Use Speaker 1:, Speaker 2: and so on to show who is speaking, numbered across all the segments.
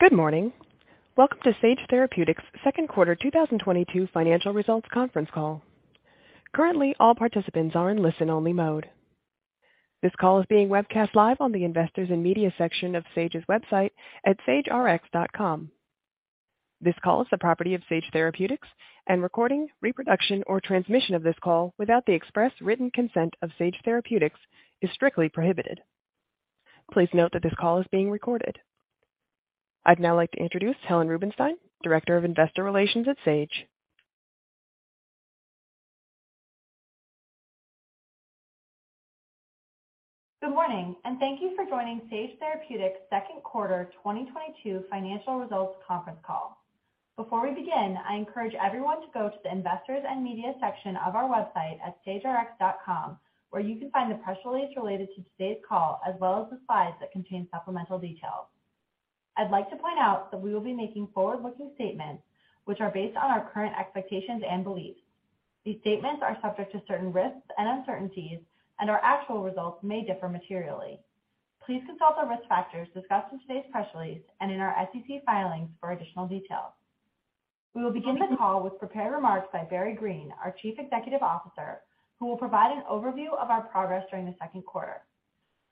Speaker 1: Good morning. Welcome to Sage Therapeutics' Second Quarter 2022 Financial Results conference call. Currently, all participants are in listen-only mode. This call is being webcast live on the Investors and Media section of Sage's website at sagerx.com. This call is the property of Sage Therapeutics, and recording, reproduction or transmission of this call without the express written consent of Sage Therapeutics is strictly prohibited. Please note that this call is being recorded. I'd now like to introduce Helen Rubinstein, Director of Investor Relations at Sage.
Speaker 2: Good morning, and thank you for joining Sage Therapeutics' Second Quarter 2022 Financial Results conference call. Before we begin, I encourage everyone to go to the Investors and Media section of our website at sagerx.com, where you can find the press release related to today's call, as well as the slides that contain supplemental details. I'd like to point out that we will be making forward-looking statements which are based on our current expectations and beliefs. These statements are subject to certain risks and uncertainties, and our actual results may differ materially. Please consult the risk factors discussed in today's press release and in our SEC filings for additional details. We will begin the call with prepared remarks by Barry Greene, our Chief Executive Officer, who will provide an overview of our progress during the second quarter.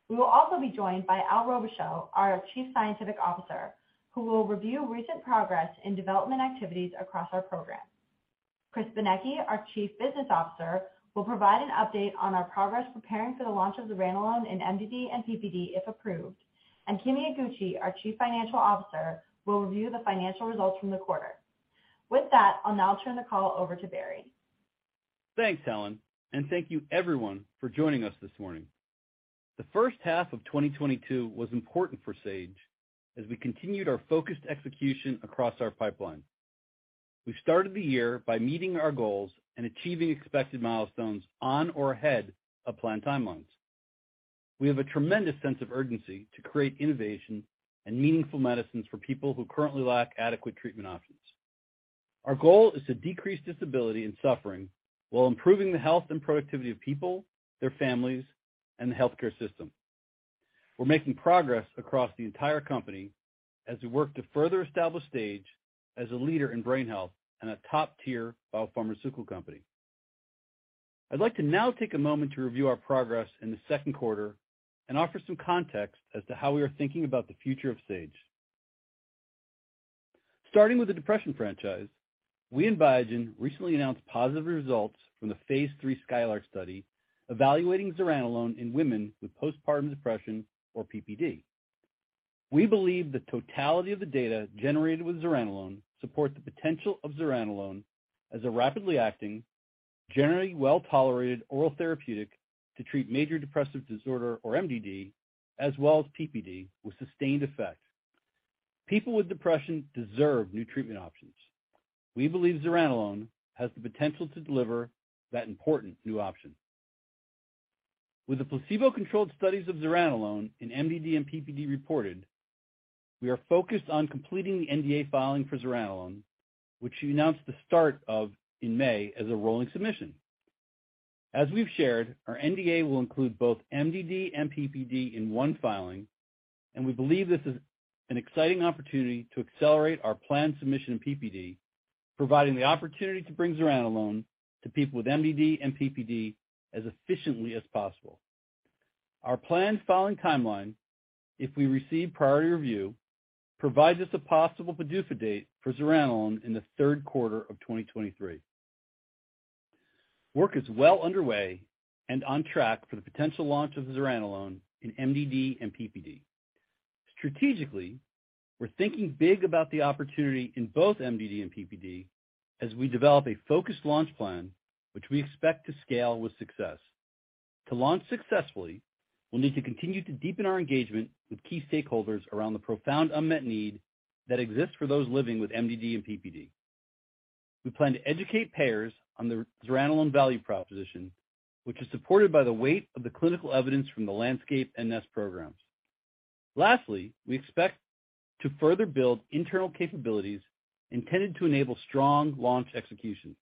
Speaker 2: We will also be joined by Al Robichaud, our Chief Scientific Officer, who will review recent progress in development activities across our program. Chris Benecchi, our Chief Business Officer, will provide an update on our progress preparing for the launch of zuranolone in MDD and PPD, if approved. Kimi Iguchi, our Chief Financial Officer, will review the financial results from the quarter. With that, I'll now turn the call over to Barry.
Speaker 3: Thanks, Helen, and thank you everyone for joining us this morning. The first half of 2022 was important for Sage as we continued our focused execution across our pipeline. We started the year by meeting our goals and achieving expected milestones on or ahead of planned timelines. We have a tremendous sense of urgency to create innovation and meaningful medicines for people who currently lack adequate treatment options. Our goal is to decrease disability and suffering while improving the health and productivity of people, their families, and the healthcare system. We're making progress across the entire company as we work to further establish Sage as a leader in brain health and a top-tier biopharmaceutical company. I'd like to now take a moment to review our progress in the second quarter and offer some context as to how we are thinking about the future of Sage. Starting with the depression franchise, we and Biogen recently announced positive results from the phase 3 SKYLARK study evaluating zuranolone in women with postpartum depression or PPD. We believe the totality of the data generated with zuranolone support the potential of zuranolone as a rapidly acting, generally well-tolerated oral therapeutic to treat major depressive disorder or MDD, as well as PPD, with sustained effect. People with depression deserve new treatment options. We believe zuranolone has the potential to deliver that important new option. With the placebo-controlled studies of zuranolone in MDD and PPD reported, we are focused on completing the NDA filing for zuranolone, which we announced the start of in May as a rolling submission. As we've shared, our NDA will include both MDD and PPD in one filing, and we believe this is an exciting opportunity to accelerate our planned submission in PPD, providing the opportunity to bring zuranolone to people with MDD and PPD as efficiently as possible. Our planned filing timeline, if we receive priority review, provides us a possible PDUFA date for zuranolone in the third quarter of 2023. Work is well underway and on track for the potential launch of zuranolone in MDD and PPD. Strategically, we're thinking big about the opportunity in both MDD and PPD as we develop a focused launch plan, which we expect to scale with success. To launch successfully, we'll need to continue to deepen our engagement with key stakeholders around the profound unmet need that exists for those living with MDD and PPD. We plan to educate payers on the zuranolone value proposition, which is supported by the weight of the clinical evidence from the LANDSCAPE and NEST programs. Lastly, we expect to further build internal capabilities intended to enable strong launch execution.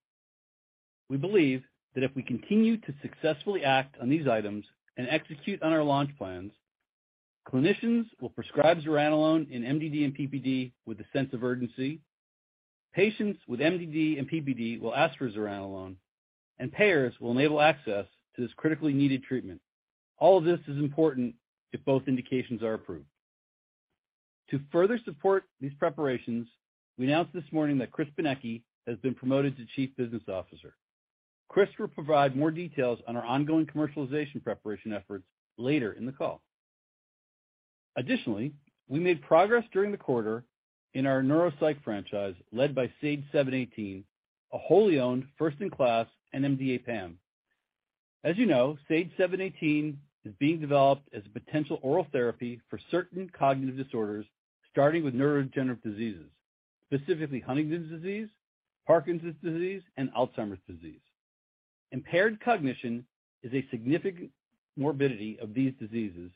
Speaker 3: We believe that if we continue to successfully act on these items and execute on our launch plans, clinicians will prescribe zuranolone in MDD and PPD with a sense of urgency. Patients with MDD and PPD will ask for zuranolone, and payers will enable access to this critically needed treatment. All of this is important if both indications are approved. To further support these preparations, we announced this morning that Chris Benecchi has been promoted to Chief Business Officer. Chris will provide more details on our ongoing commercialization preparation efforts later in the call. Additionally, we made progress during the quarter in our Neuropsychiatry Franchise led by SAGE-718, a wholly owned first in class NMDA-PAM. As you know, SAGE-718 is being developed as a potential oral therapy for certain cognitive disorders, starting with neurodegenerative diseases, specifically Huntington's disease, Parkinson's disease, and Alzheimer's disease. Impaired cognition is a significant morbidity of these diseases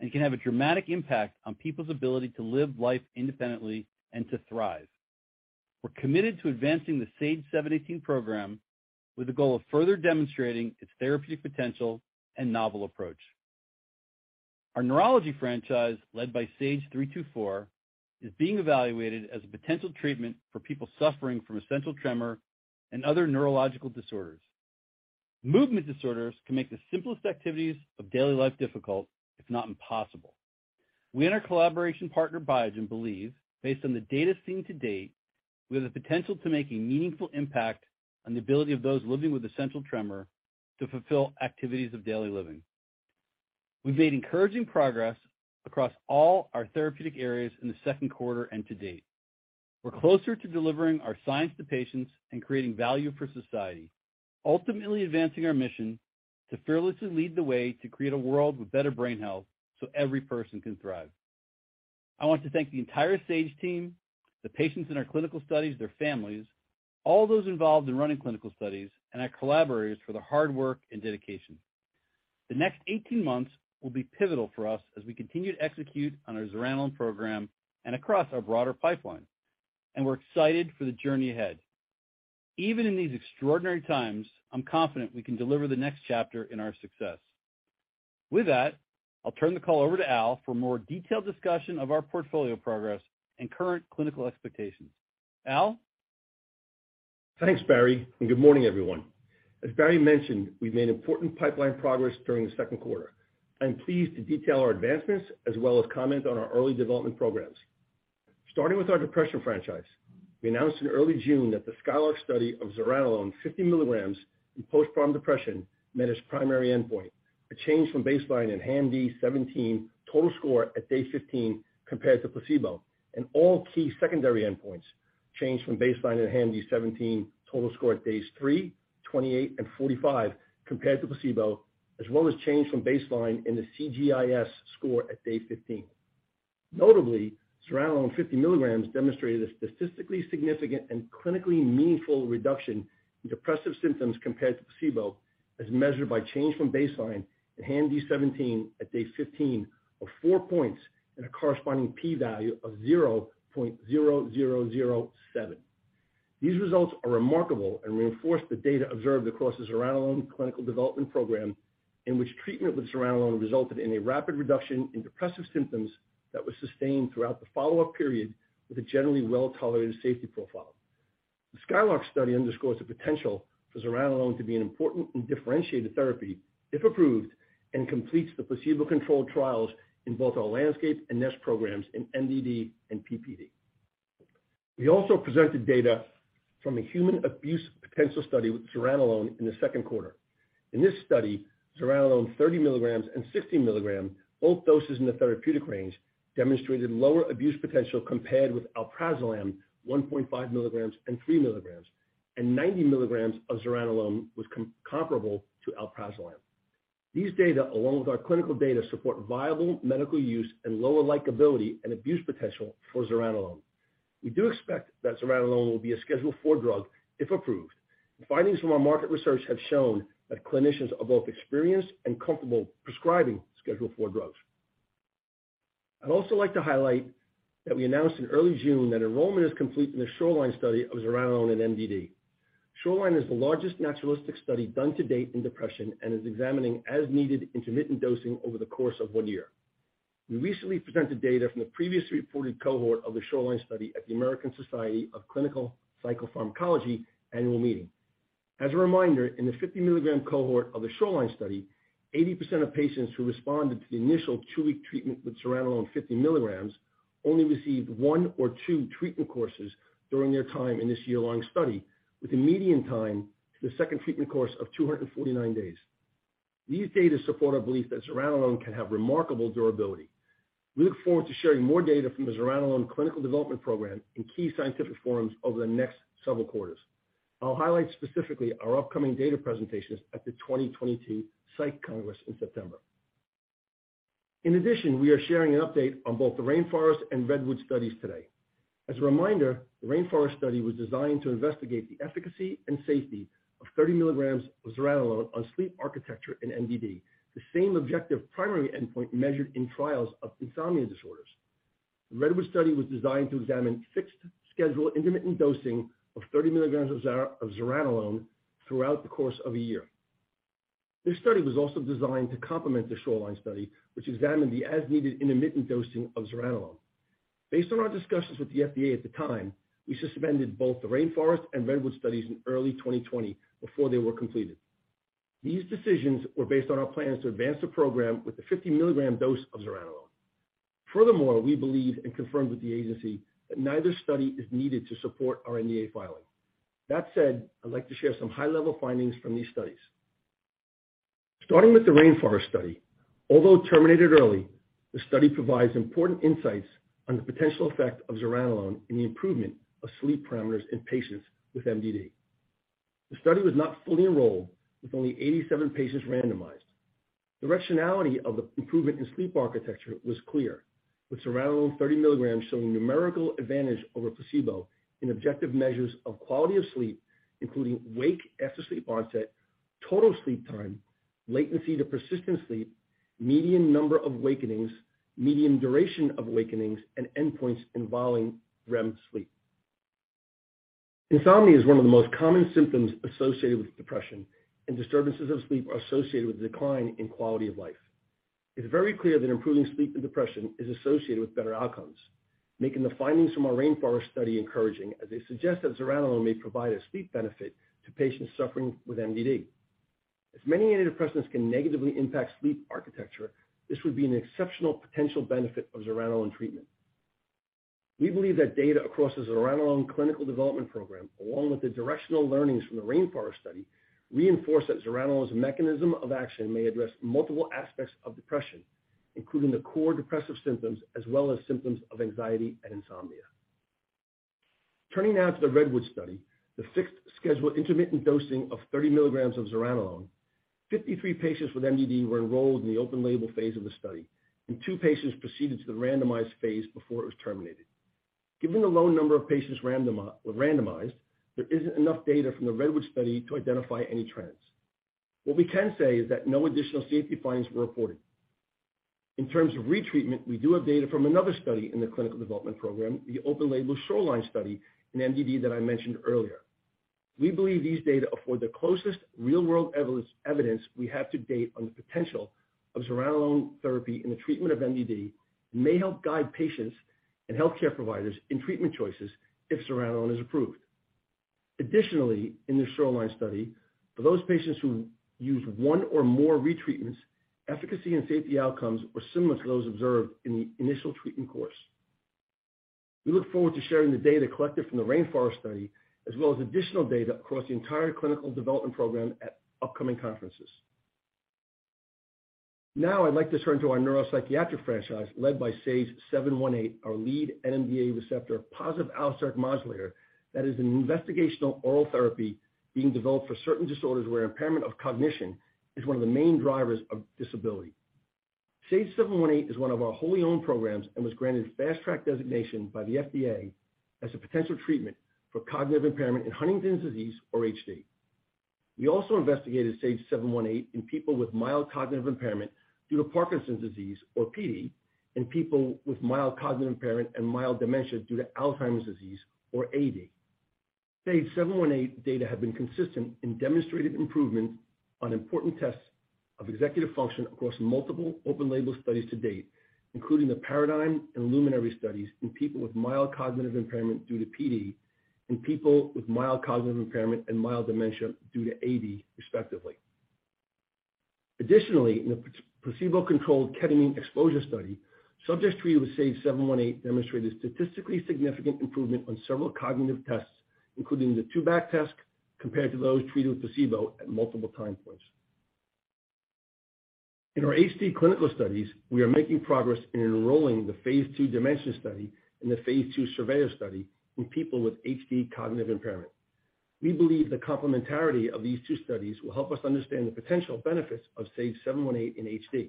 Speaker 3: and can have a dramatic impact on people's ability to live life independently and to thrive. We're committed to advancing the SAGE-718 program with the goal of further demonstrating its therapeutic potential and novel approach. Our neurology franchise, led by SAGE-324, is being evaluated as a potential treatment for people suffering from essential tremor and other neurological disorders. Movement disorders can make the simplest activities of daily life difficult, if not impossible. We and our collaboration partner Biogen believe, based on the data seen to date, we have the potential to make a meaningful impact on the ability of those living with essential tremor to fulfill activities of daily living. We've made encouraging progress across all our therapeutic areas in the second quarter and to date. We're closer to delivering our science to patients and creating value for society, ultimately advancing our mission to fearlessly lead the way to create a world with better brain health so every person can thrive. I want to thank the entire Sage team, the patients in our clinical studies, their families, all those involved in running clinical studies, and our collaborators for their hard work and dedication. The next 18 months will be pivotal for us as we continue to execute on our zuranolone program and across our broader pipeline, and we're excited for the journey ahead. Even in these extraordinary times, I'm confident we can deliver the next chapter in our success. With that, I'll turn the call over to Al for a more detailed discussion of our portfolio progress and current clinical expectations. Al?
Speaker 4: Thanks, Barry, and good morning, everyone. As Barry mentioned, we've made important pipeline progress during the second quarter. I'm pleased to detail our advancements as well as comment on our early development programs. Starting with our depression franchise, we announced in early June that the SKYLARK study of zuranolone 50 mg in postpartum depression met its primary endpoint, a change from baseline in HAM-D17 total score at day 15 compared to placebo, and all key secondary endpoints changed from baseline in HAM-D17 total score at days 3, 28, and 45 compared to placebo, as well as change from baseline in the CGI-S score at day 15. Notably, zuranolone 50 mg demonstrated a statistically significant and clinically meaningful reduction in depressive symptoms compared to placebo as measured by change from baseline in HAM-D17 at day 15 of 4 points and a corresponding P-value of 0.0007. These results are remarkable and reinforce the data observed across the zuranolone clinical development program in which treatment with zuranolone resulted in a rapid reduction in depressive symptoms that were sustained throughout the follow-up period with a generally well-tolerated safety profile. The SKYLARK study underscores the potential for zuranolone to be an important and differentiated therapy if approved, and completes the placebo-controlled trials in both our LANDSCAPE and NEST programs in MDD and PPD. We also presented data from a human abuse potential study with zuranolone in the second quarter. In this study, zuranolone 30 mg and 60 mg, both doses in the therapeutic range, demonstrated lower abuse potential compared with alprazolam 1.5 mg and 3 mg, and 90 mg of zuranolone was comparable to alprazolam. These data, along with our clinical data, support viable medical use and lower likability and abuse potential for zuranolone. We do expect that zuranolone will be a Schedule IV drug if approved. Findings from our market research have shown that clinicians are both experienced and comfortable prescribing Schedule IV drugs. I'd also like to highlight that we announced in early June that enrollment is complete in the SHORELINE study of zuranolone in MDD. SHORELINE is the largest naturalistic study done to date in depression and is examining as-needed intermittent dosing over the course of one year. We recently presented data from the previously reported cohort of the SHORELINE study at the American Society of Clinical Psychopharmacology annual meeting. As a reminder, in the 50 mg cohort of the SHORELINE study, 80% of patients who responded to the initial two-week treatment with zuranolone 50 mg only received one or two treatment courses during their time in this yearlong study, with a median time to the second treatment course of 249 days. These data support our belief that zuranolone can have remarkable durability. We look forward to sharing more data from the zuranolone clinical development program in key scientific forums over the next several quarters. I'll highlight specifically our upcoming data presentations at the 2022 Psych Congress in September. In addition, we are sharing an update on both the Rainforest and Redwood studies today. As a reminder, the RAINFOREST study was designed to investigate the efficacy and safety of 30 mg of zuranolone on sleep architecture in MDD, the same objective primary endpoint measured in trials of insomnia disorders. The REDWOOD study was designed to examine fixed schedule intermittent dosing of 30 mg of zuranolone throughout the course of a year. This study was also designed to complement the SHOELINE study, which examined the as-needed intermittent dosing of zuranolone. Based on our discussions with the FDA at the time, we suspended both the RAINFOREST and REDWOOD studies in early 2020 before they were completed. These decisions were based on our plans to advance the program with the 50 mg dose of zuranolone. Furthermore, we believe and confirmed with the agency that neither study is needed to support our NDA filing. That said, I'd like to share some high-level findings from these studies. Starting with the RAINFOREST study, although it terminated early, the study provides important insights on the potential effect of zuranolone in the improvement of sleep parameters in patients with MDD. The study was not fully enrolled with only 87 patients randomized. Directionality of the improvement in sleep architecture was clear, with zuranolone 30 mg showing numerical advantage over placebo in objective measures of quality of sleep, including wake after sleep onset, total sleep time, latency to persistent sleep, median number of awakenings, median duration of awakenings, and endpoints involving REM sleep. Insomnia is one of the most common symptoms associated with depression, and disturbances of sleep are associated with decline in quality of life. It's very clear that improving sleep in depression is associated with better outcomes, making the findings from our RAINFOREST study encouraging, as they suggest that zuranolone may provide a sleep benefit to patients suffering with MDD. As many antidepressants can negatively impact sleep architecture, this would be an exceptional potential benefit of zuranolone treatment. We believe that data across the zuranolone clinical development program, along with the directional learnings from the RAINFOREST study, reinforce that zuranolone's mechanism of action may address multiple aspects of depression, including the core depressive symptoms as well as symptoms of anxiety and insomnia. Turning now to the REDWOOD study, the sixth scheduled intermittent dosing of 30 mg of zuranolone, 53 patients with MDD were enrolled in the open label phase of the study, and two patients proceeded to the randomized phase before it was terminated. Given the low number of patients randomized, there isn't enough data from the REDWOOD study to identify any trends. What we can say is that no additional safety findings were reported. In terms of retreatment, we do have data from another study in the clinical development program, the open label SHORELINE study in MDD that I mentioned earlier. We believe these data afford the closest real world evidence we have to date on the potential of zuranolone therapy in the treatment of MDD and may help guide patients and healthcare providers in treatment choices if zuranolone is approved. Additionally, in the SHORELINE study, for those patients who use one or more retreatments, efficacy and safety outcomes were similar to those observed in the initial treatment course. We look forward to sharing the data collected from the RAINFOREST study, as well as additional data across the entire clinical development program at upcoming conferences. Now I'd like to turn to our Neuropsychiatric Franchise led by SAGE-718, our lead NMDA receptor positive allosteric modulator that is an investigational oral therapy being developed for certain disorders where impairment of cognition is one of the main drivers of disability. SAGE-718 is one of our wholly owned programs and was granted Fast Track designation by the FDA as a potential treatment for cognitive impairment in Huntington's disease or HD. We also investigated SAGE-718 in people with mild cognitive impairment due to Parkinson's disease or PD, in people with mild cognitive impairment and mild dementia due to Alzheimer's disease or AD. SAGE-718 data have been consistent in demonstrating improvement on important tests of executive function across multiple open-label studies to date, including the PARADIGM and LUMINARY studies in people with mild cognitive impairment due to PD, in people with mild cognitive impairment and mild dementia due to AD, respectively. Additionally, in a placebo-controlled ketamine exposure study, subjects treated with SAGE-718 demonstrated statistically significant improvement on several cognitive tests, including the 2-back task, compared to those treated with placebo at multiple time points. In our HD clinical studies, we are making progress in enrolling the phase 2 DIMENSION study and the phase 2 SURVEYOR study in people with HD cognitive impairment. We believe the complementarity of these two studies will help us understand the potential benefits of SAGE-718 in HD.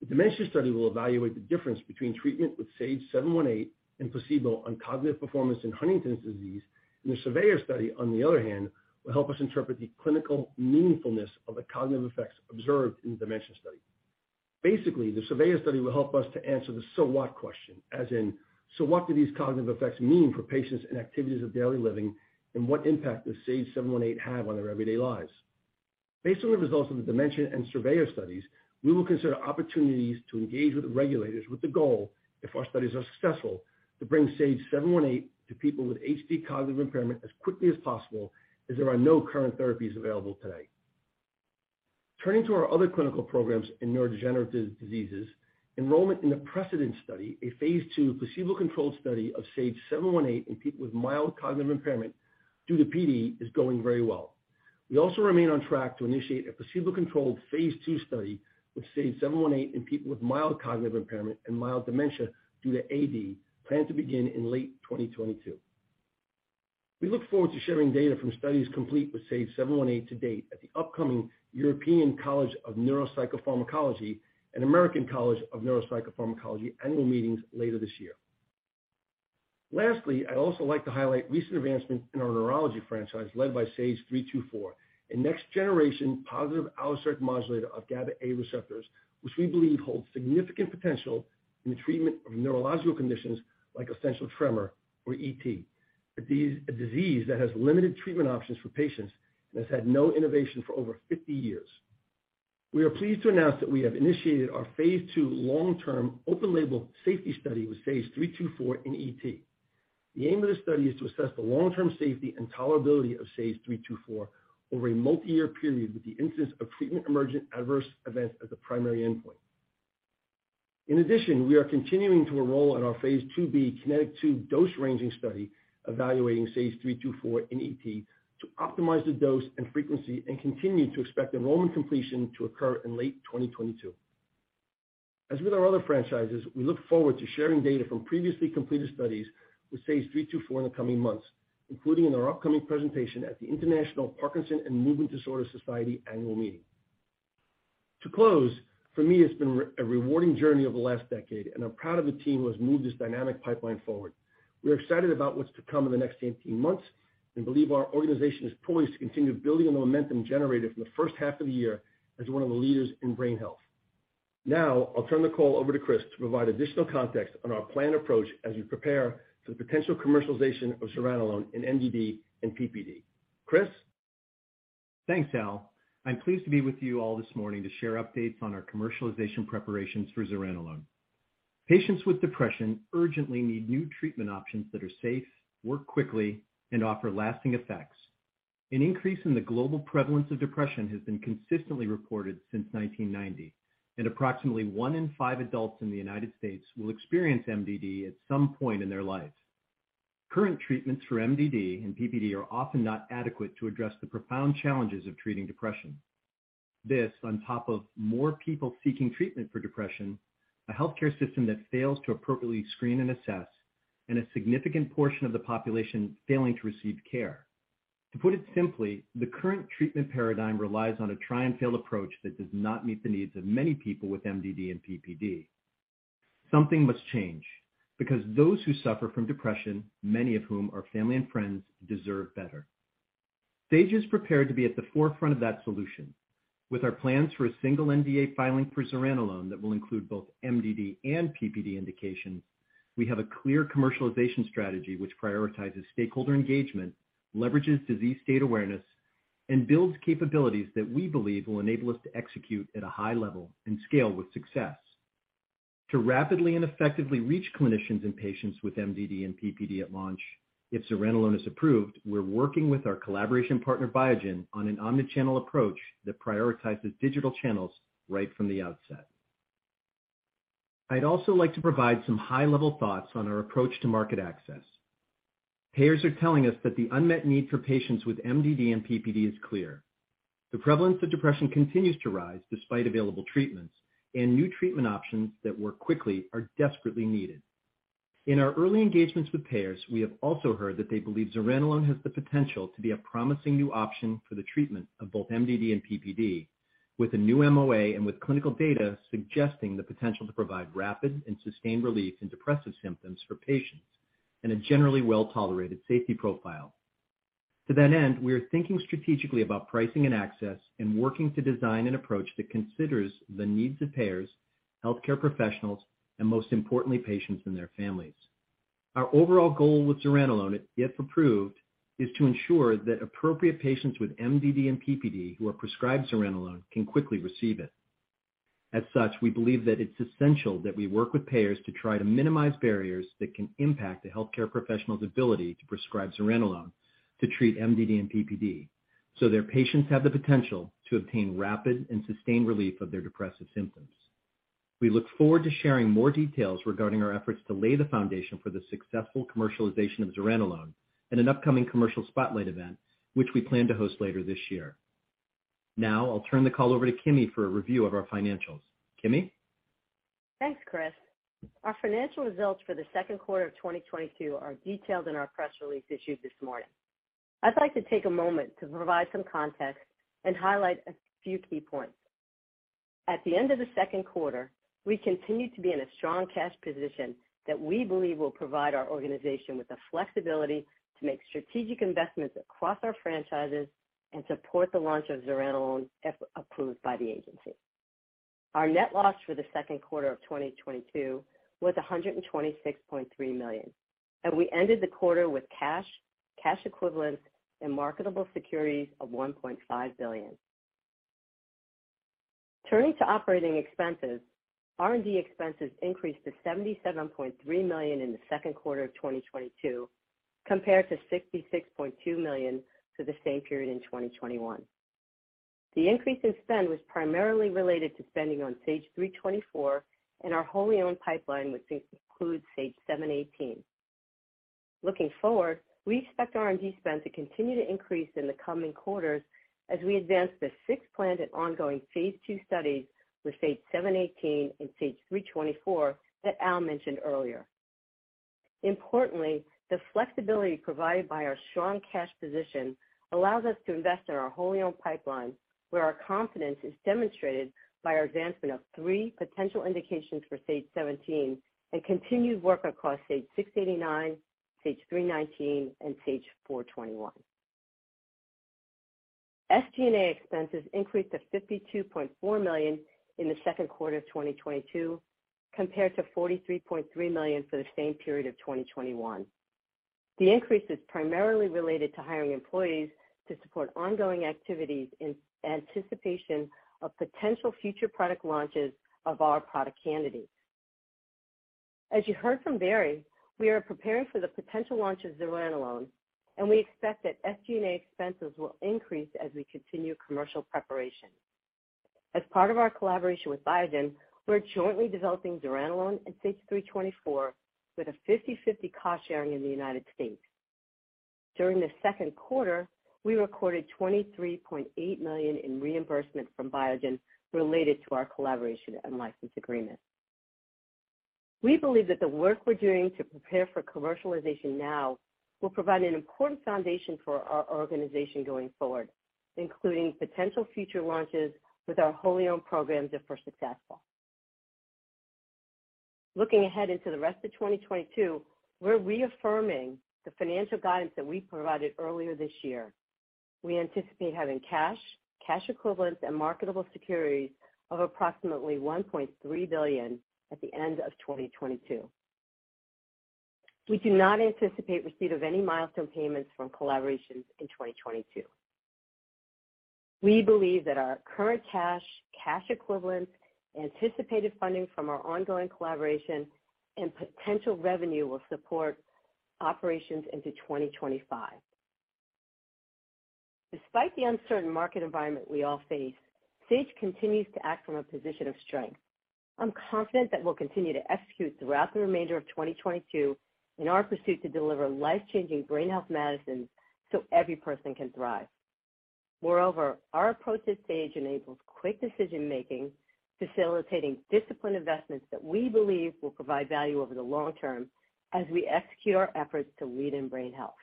Speaker 4: The DIMENSION study will evaluate the difference between treatment with SAGE-718 and placebo on cognitive performance in Huntington's disease. The SURVEYOR study, on the other hand, will help us interpret the clinical meaningfulness of the cognitive effects observed in the DIMENSION study. Basically, the SURVEYOR study will help us to answer the so what question, as in, so what do these cognitive effects mean for patients and activities of daily living, and what impact does SAGE-718 have on their everyday lives? Based on the results of the DIMENSION and SURVEYOR studies, we will consider opportunities to engage with regulators with the goal, if our studies are successful, to bring SAGE-718 to people with HD cognitive impairment as quickly as possible as there are no current therapies available today. Turning to our other clinical programs in neurodegenerative diseases, enrollment in the PRECEDENT study, a phase 2 placebo-controlled study of SAGE-718 in people with mild cognitive impairment due to PD, is going very well. We also remain on track to initiate a placebo-controlled phase 2 study with SAGE-718 in people with mild cognitive impairment and mild dementia due to AD, planned to begin in late 2022. We look forward to sharing data from studies complete with SAGE-718 to date at the upcoming European College of Neuropsychopharmacology and American College of Neuropsychopharmacology annual meetings later this year. Lastly, I'd also like to highlight recent advancements in our neurology franchise led by SAGE-324, a next generation positive allosteric modulator of GABA-A receptors, which we believe holds significant potential in the treatment of neurological conditions like essential tremor or ET, a disease that has limited treatment options for patients and has had no innovation for over 50 years. We are pleased to announce that we have initiated our phase 2 long-term open label safety study with SAGE-324 in ET. The aim of this study is to assess the long-term safety and tolerability of SAGE-324 over a multiyear period with the incidence of treatment emergent adverse events as a primary endpoint. In addition, we are continuing to enroll in our phase 2B KINETIC 2 dose-ranging study evaluating SAGE-324 in ET to optimize the dose and frequency and continue to expect enrollment completion to occur in late 2022. As with our other franchises, we look forward to sharing data from previously completed studies with SAGE-324 in the coming months, including in our upcoming presentation at the International Parkinson and Movement Disorder Society Annual Meeting. To close, for me, it's been a rewarding journey over the last decade, and I'm proud of the team who has moved this dynamic pipeline forward. We are excited about what's to come in the next 18 months, and believe our organization is poised to continue building on the momentum generated from the first half of the year as one of the leaders in brain health. Now, I'll turn the call over to Chris to provide additional context on our planned approach as we prepare for the potential commercialization of zuranolone in MDD and PPD. Chris?
Speaker 5: Thanks, Al. I'm pleased to be with you all this morning to share updates on our commercialization preparations for zuranolone. Patients with depression urgently need new treatment options that are safe, work quickly, and offer lasting effects. An increase in the global prevalence of depression has been consistently reported since 1990, and approximately one in five adults in the United States will experience MDD at some point in their lives. Current treatments for MDD and PPD are often not adequate to address the profound challenges of treating depression. This, on top of more people seeking treatment for depression, a healthcare system that fails to appropriately screen and assess, and a significant portion of the population failing to receive care. To put it simply, the current treatment paradigm relies on a try and fail approach that does not meet the needs of many people with MDD and PPD. Something must change, because those who suffer from depression, many of whom are family and friends, deserve better. Sage is prepared to be at the forefront of that solution. With our plans for a single NDA filing for zuranolone that will include both MDD and PPD indications, we have a clear commercialization strategy which prioritizes stakeholder engagement, leverages disease state awareness, and builds capabilities that we believe will enable us to execute at a high level and scale with success. To rapidly and effectively reach clinicians and patients with MDD and PPD at launch, if zuranolone is approved, we're working with our collaboration partner, Biogen, on an omni-channel approach that prioritizes digital channels right from the outset. I'd also like to provide some high-level thoughts on our approach to market access. Payers are telling us that the unmet need for patients with MDD and PPD is clear. The prevalence of depression continues to rise despite available treatments, and new treatment options that work quickly are desperately needed. In our early engagements with payers, we have also heard that they believe zuranolone has the potential to be a promising new option for the treatment of both MDD and PPD, with a new MOA and with clinical data suggesting the potential to provide rapid and sustained relief in depressive symptoms for patients, and a generally well-tolerated safety profile. To that end, we are thinking strategically about pricing and access and working to design an approach that considers the needs of payers, healthcare professionals, and most importantly, patients and their families. Our overall goal with zuranolone, if approved, is to ensure that appropriate patients with MDD and PPD who are prescribed zuranolone can quickly receive it. As such, we believe that it's essential that we work with payers to try to minimize barriers that can impact a healthcare professional's ability to prescribe zuranolone to treat MDD and PPD, so their patients have the potential to obtain rapid and sustained relief of their depressive symptoms. We look forward to sharing more details regarding our efforts to lay the foundation for the successful commercialization of zuranolone in an upcoming commercial spotlight event, which we plan to host later this year. Now, I'll turn the call over to Kimi for a review of our financials. Kimi?
Speaker 6: Thanks, Chris. Our financial results for the second quarter of 2022 are detailed in our press release issued this morning. I'd like to take a moment to provide some context and highlight a few key points. At the end of the second quarter, we continued to be in a strong cash position that we believe will provide our organization with the flexibility to make strategic investments across our franchises and support the launch of zuranolone if approved by the agency. Our net loss for the second quarter of 2022 was $126.3 million, and we ended the quarter with cash equivalents, and marketable securities of $1.5 billion. Turning to operating expenses, R&D expenses increased to $77.3 million in the second quarter of 2022 compared to $66.2 million for the same period in 2021. The increase in spend was primarily related to spending on SAGE-324 and our wholly owned pipeline, which includes SAGE-718. Looking forward, we expect R&D spend to continue to increase in the coming quarters as we advance the six planned and ongoing phase 2 studies with SAGE-718 and SAGE-324 that Al mentioned earlier. Importantly, the flexibility provided by our strong cash position allows us to invest in our wholly owned pipeline, where our confidence is demonstrated by our advancement of three potential indications for SAGE-718 and continued work across SAGE-689, SAGE-319, and SAGE-421. SG&A expenses increased to $52.4 million in the second quarter of 2022 compared to $43.3 million for the same period of 2021. The increase is primarily related to hiring employees to support ongoing activities in anticipation of potential future product launches of our product candidates. As you heard from Barry, we are preparing for the potential launch of zuranolone, and we expect that SG&A expenses will increase as we continue commercial preparation. As part of our collaboration with Biogen, we're jointly developing zuranolone and SAGE-324 with a 50/50 cost-sharing in the United States. During the second quarter, we recorded $23.8 million in reimbursement from Biogen related to our collaboration and license agreement. We believe that the work we're doing to prepare for commercialization now will provide an important foundation for our organization going forward, including potential future launches with our wholly-owned programs if we're successful. Looking ahead into the rest of 2022, we're reaffirming the financial guidance that we provided earlier this year. We anticipate having cash equivalents, and marketable securities of approximately $1.3 billion at the end of 2022. We do not anticipate receipt of any milestone payments from collaborations in 2022. We believe that our current cash equivalents, anticipated funding from our ongoing collaboration, and potential revenue will support operations into 2025. Despite the uncertain market environment we all face, Sage continues to act from a position of strength. I'm confident that we'll continue to execute throughout the remainder of 2022 in our pursuit to deliver life-changing brain health medicines so every person can thrive. Moreover, our approach to Sage enables quick decision-making, facilitating disciplined investments that we believe will provide value over the long term as we execute our efforts to lead in brain health.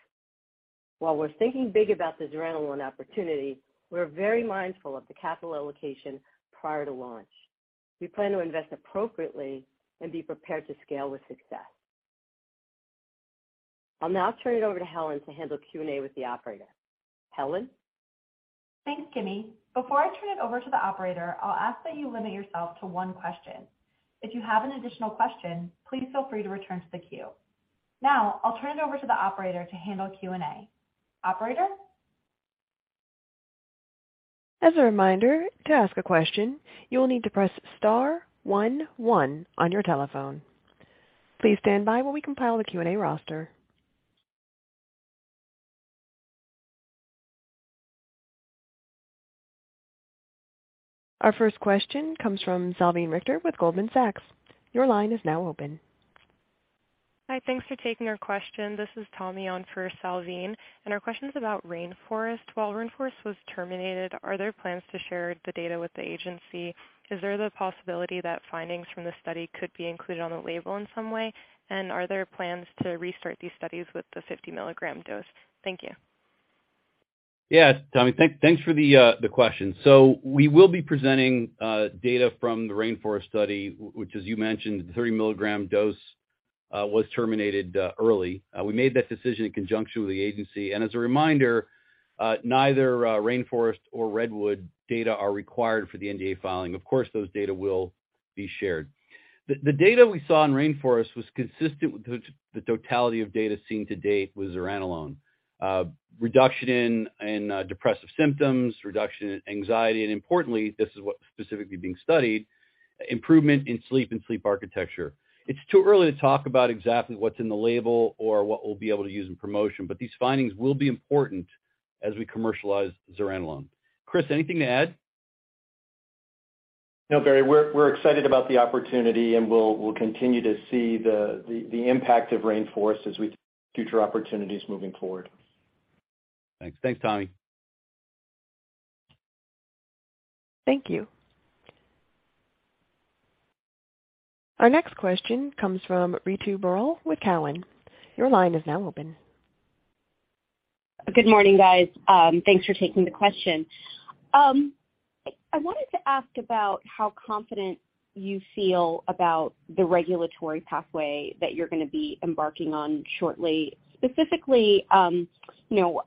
Speaker 6: While we're thinking big about the zuranolone opportunity, we're very mindful of the capital allocation prior to launch. We plan to invest appropriately and be prepared to scale with success. I'll now turn it over to Helen to handle Q&A with the operator. Helen?
Speaker 2: Thanks, Kimi. Before I turn it over to the operator, I'll ask that you limit yourself to one question. If you have an additional question, please feel free to return to the queue. Now, I'll turn it over to the operator to handle Q&A. Operator?
Speaker 1: As a reminder, to ask a question, you will need to press star one one on your telephone. Please stand by while we compile the Q&A roster. Our first question comes from Salveen Richter with Goldman Sachs. Your line is now open.
Speaker 7: Hi. Thanks for taking our question. This is Tomi on for Salveen, and our question's about Rainforest. While Rainforest was terminated, are there plans to share the data with the agency? Is there the possibility that findings from the study could be included on the label in some way? Are there plans to restart these studies with the 50 mg dose? Thank you.
Speaker 3: Yes, Tomi, thanks for the question. We will be presenting data from the RAINFOREST study, which as you mentioned, the 30 mg dose was terminated early. We made that decision in conjunction with the agency. As a reminder, neither RAINFOREST nor REDWOOD data are required for the NDA filing. Of course, those data will be shared. The data we saw in RAINFOREST was consistent with the totality of data seen to date with zuranolone. Reduction in depressive symptoms, reduction in anxiety, and importantly, this is what was specifically being studied, improvement in sleep and sleep architecture. It's too early to talk about exactly what's in the label or what we'll be able to use in promotion, but these findings will be important as we commercialize zuranolone. Chris, anything to add?
Speaker 5: No, Barry, we're excited about the opportunity, and we'll continue to see the impact of RAINFOREST as we see future opportunities moving forward.
Speaker 3: Thanks. Thanks, Tomi.
Speaker 1: Thank you. Our next question comes from Ritu Baral with TD Cowen. Your line is now open.
Speaker 8: Good morning, guys. Thanks for taking the question. I wanted to ask about how confident you feel about the regulatory pathway that you're gonna be embarking on shortly. Specifically, you know,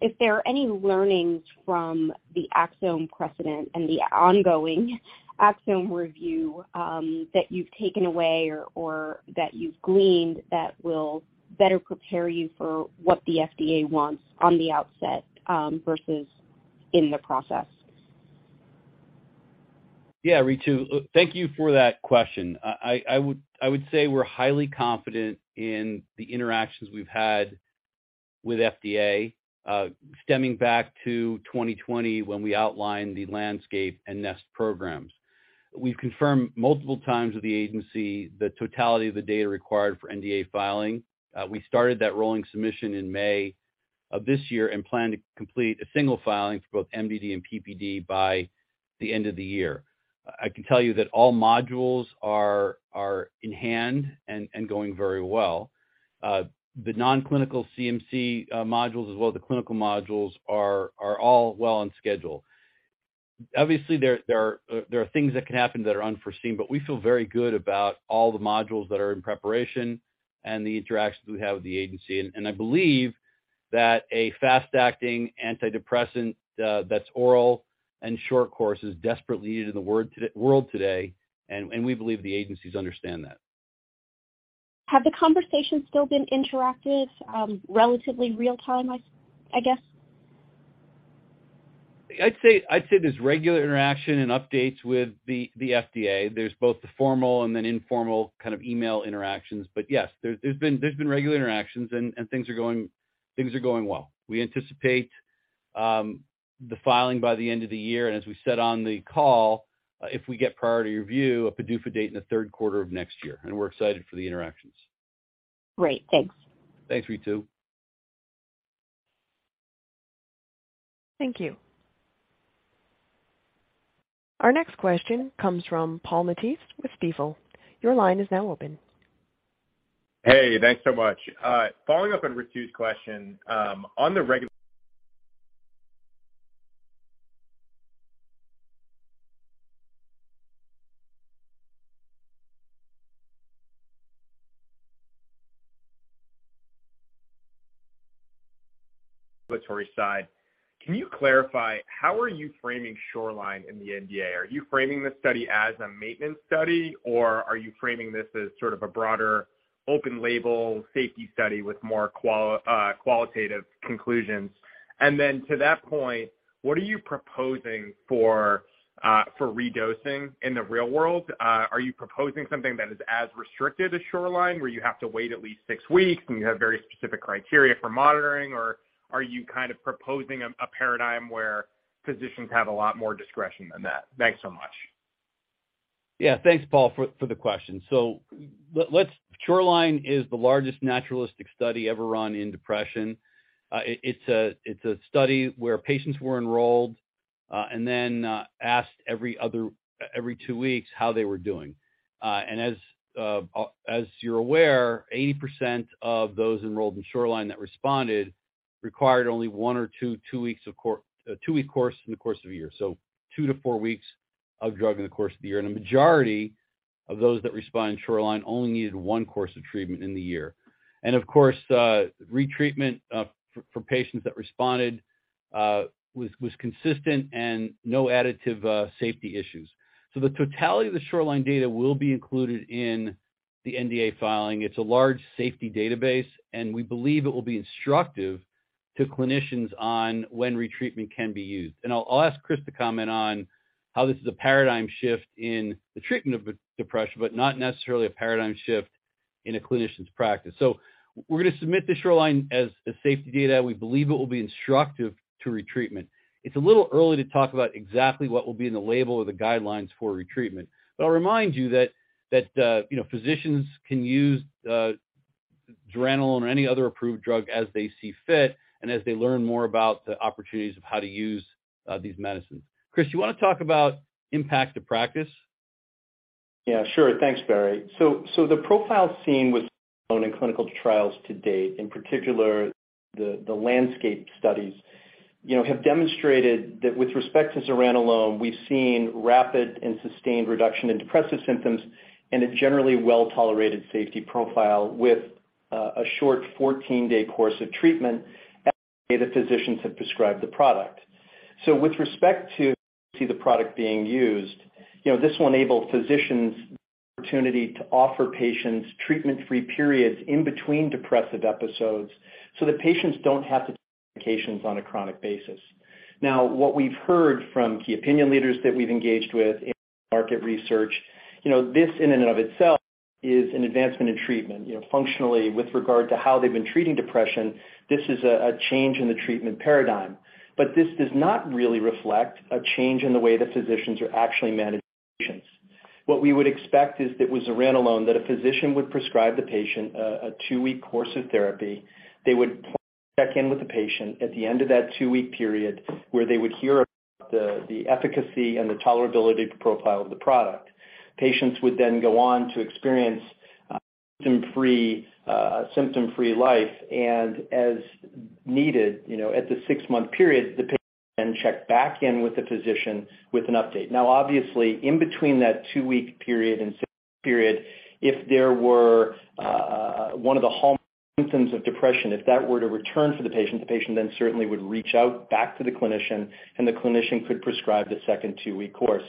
Speaker 8: if there are any learnings from the Axsome precedent and the ongoing Axsome review that you've taken away or that you've gleaned that will better prepare you for what the FDA wants on the outset, versus in the process.
Speaker 3: Yeah. Ritu, thank you for that question. I would say we're highly confident in the interactions we've had with FDA, stemming back to 2020 when we outlined the LANDSCAPE and NEST programs. We've confirmed multiple times with the agency the totality of the data required for NDA filing. We started that rolling submission in May of this year and plan to complete a single filing for both MDD and PPD by the end of the year. I can tell you that all modules are in hand and going very well. The non-clinical CMC modules as well as the clinical modules are all well on schedule. Obviously, there are things that can happen that are unforeseen, but we feel very good about all the modules that are in preparation and the interactions we have with the agency. I believe that a fast-acting antidepressant that's oral and short course is desperately needed in the world today and we believe the agencies understand that.
Speaker 8: Have the conversations still been interactive, relatively real time, I guess?
Speaker 3: I'd say there's regular interaction and updates with the FDA. There's both the formal and then informal kind of email interactions. Yes, there's been regular interactions and things are going well. We anticipate the filing by the end of the year, and as we said on the call, if we get Priority Review, a PDUFA date in the third quarter of next year, and we're excited for the interactions.
Speaker 8: Great. Thanks.
Speaker 3: Thanks, Ritu.
Speaker 1: Thank you. Our next question comes from Paul Matteis with Stifel. Your line is now open.
Speaker 9: Hey, thanks so much. Following up on Ritu's question, on the regulatory side, can you clarify how are you framing SHORELINE in the NDA? Are you framing the study as a maintenance study, or are you framing this as sort of a broader open-label safety study with more qualitative conclusions? To that point, what are you proposing for redosing in the real world? Are you proposing something that is as restricted as Shoreline, where you have to wait at least six weeks, and you have very specific criteria for monitoring? Or are you kind of proposing a paradigm where physicians have a lot more discretion than that? Thanks so much.
Speaker 3: Yeah. Thanks, Paul for the question. SHORELINE is the largest naturalistic study ever run in depression. It's a study where patients were enrolled and then asked every two weeks how they were doing. As you're aware, 80% of those enrolled in SHORELINE that responded required only one or two, two-week courses in the course of a year. Two to four weeks of drug in the course of the year. A majority of those that respond in SHORELINE only needed one course of treatment in the year. Of course, retreatment for patients that responded was consistent and no additive safety issues. The totality of the SHORELINE data will be included in the NDA filing. It's a large safety database, and we believe it will be instructive to clinicians on when retreatment can be used. I'll ask Chris to comment on how this is a paradigm shift in the treatment of depression, but not necessarily a paradigm shift in a clinician's practice. We're gonna submit the SHORELINE as safety data. We believe it will be instructive to retreatment. It's a little early to talk about exactly what will be in the label or the guidelines for retreatment. I'll remind you that you know, physicians can use zuranolone or any other approved drug as they see fit and as they learn more about the opportunities of how to use these medicines. Chris, you wanna talk about impact to practice?
Speaker 5: Yeah, sure. Thanks, Barry. The profile seen with zuranolone in clinical trials to date, in particular the LANDSCAPE studies, you know, have demonstrated that with respect to zuranolone, we've seen rapid and sustained reduction in depressive symptoms and a generally well-tolerated safety profile with a short 14-day course of treatment as the way the physicians have prescribed the product. With respect to the product being used, you know, this will enable physicians the opportunity to offer patients treatment-free periods in between depressive episodes so that patients don't have to take medications on a chronic basis. Now, what we've heard from key opinion leaders that we've engaged with in market research, you know, this in and of itself is an advancement in treatment. You know, functionally, with regard to how they've been treating depression, this is a change in the treatment paradigm. This does not really reflect a change in the way that physicians are actually managing patients. What we would expect is that with zuranolone that a physician would prescribe the patient a two-week course of therapy. They would check in with the patient at the end of that two-week period, where they would hear about the efficacy and the tolerability profile of the product. Patients would then go on to experience a symptom-free life. As needed, you know, at the six-month period, the patient then check back in with the physician with an update. Now obviously, in between that two-week period and six-month period, if there were one of the hallmark symptoms of depression, if that were to return for the patient, the patient then certainly would reach out back to the clinician, and the clinician could prescribe the second two-week course.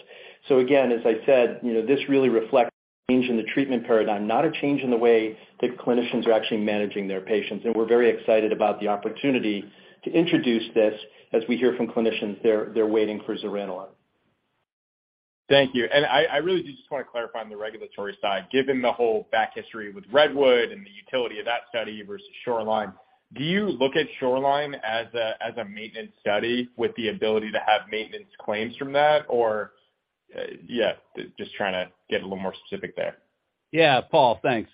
Speaker 5: Again, as I said, you know, this really reflects a change in the treatment paradigm, not a change in the way that clinicians are actually managing their patients. We're very excited about the opportunity to introduce this as we hear from clinicians, they're waiting for zuranolone.
Speaker 9: Thank you. I really do just wanna clarify on the regulatory side, given the whole background history with REDWOOD and the utility of that study versus SHORELINE, do you look at SHORELINE as a maintenance study with the ability to have maintenance claims from that? Or, yeah, just trying to get a little more specific there.
Speaker 3: Yeah. Paul, thanks.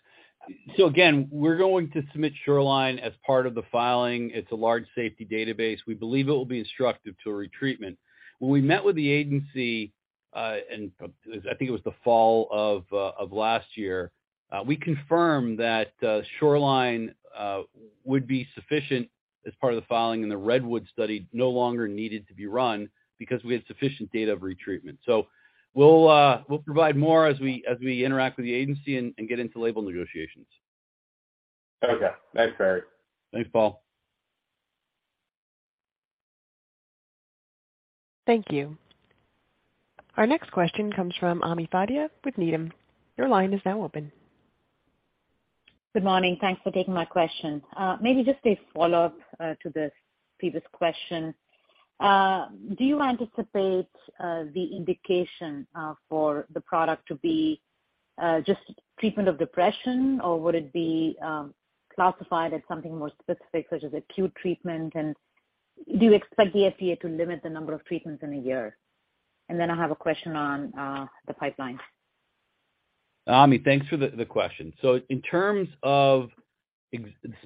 Speaker 3: Again, we're going to submit SHORELINE as part of the filing. It's a large safety database. We believe it will be instructive to a retreatment. When we met with the agency in the fall of last year, we confirmed that SHORELINE would be sufficient as part of the filing and the REDWOOD study no longer needed to be run because we had sufficient data of retreatment. We'll provide more as we interact with the agency and get into label negotiations.
Speaker 9: Okay. Thanks, Barry.
Speaker 3: Thanks, Paul.
Speaker 1: Thank you. Our next question comes from Ami Fadia with Needham. Your line is now open.
Speaker 10: Good morning. Thanks for taking my question. Maybe just a follow-up to the previous question. Do you anticipate the indication for the product to be just treatment of depression, or would it be classified as something more specific, such as acute treatment? Do you expect the FDA to limit the number of treatments in a year? I have a question on the pipeline.
Speaker 3: Ami, thanks for the question. So in terms of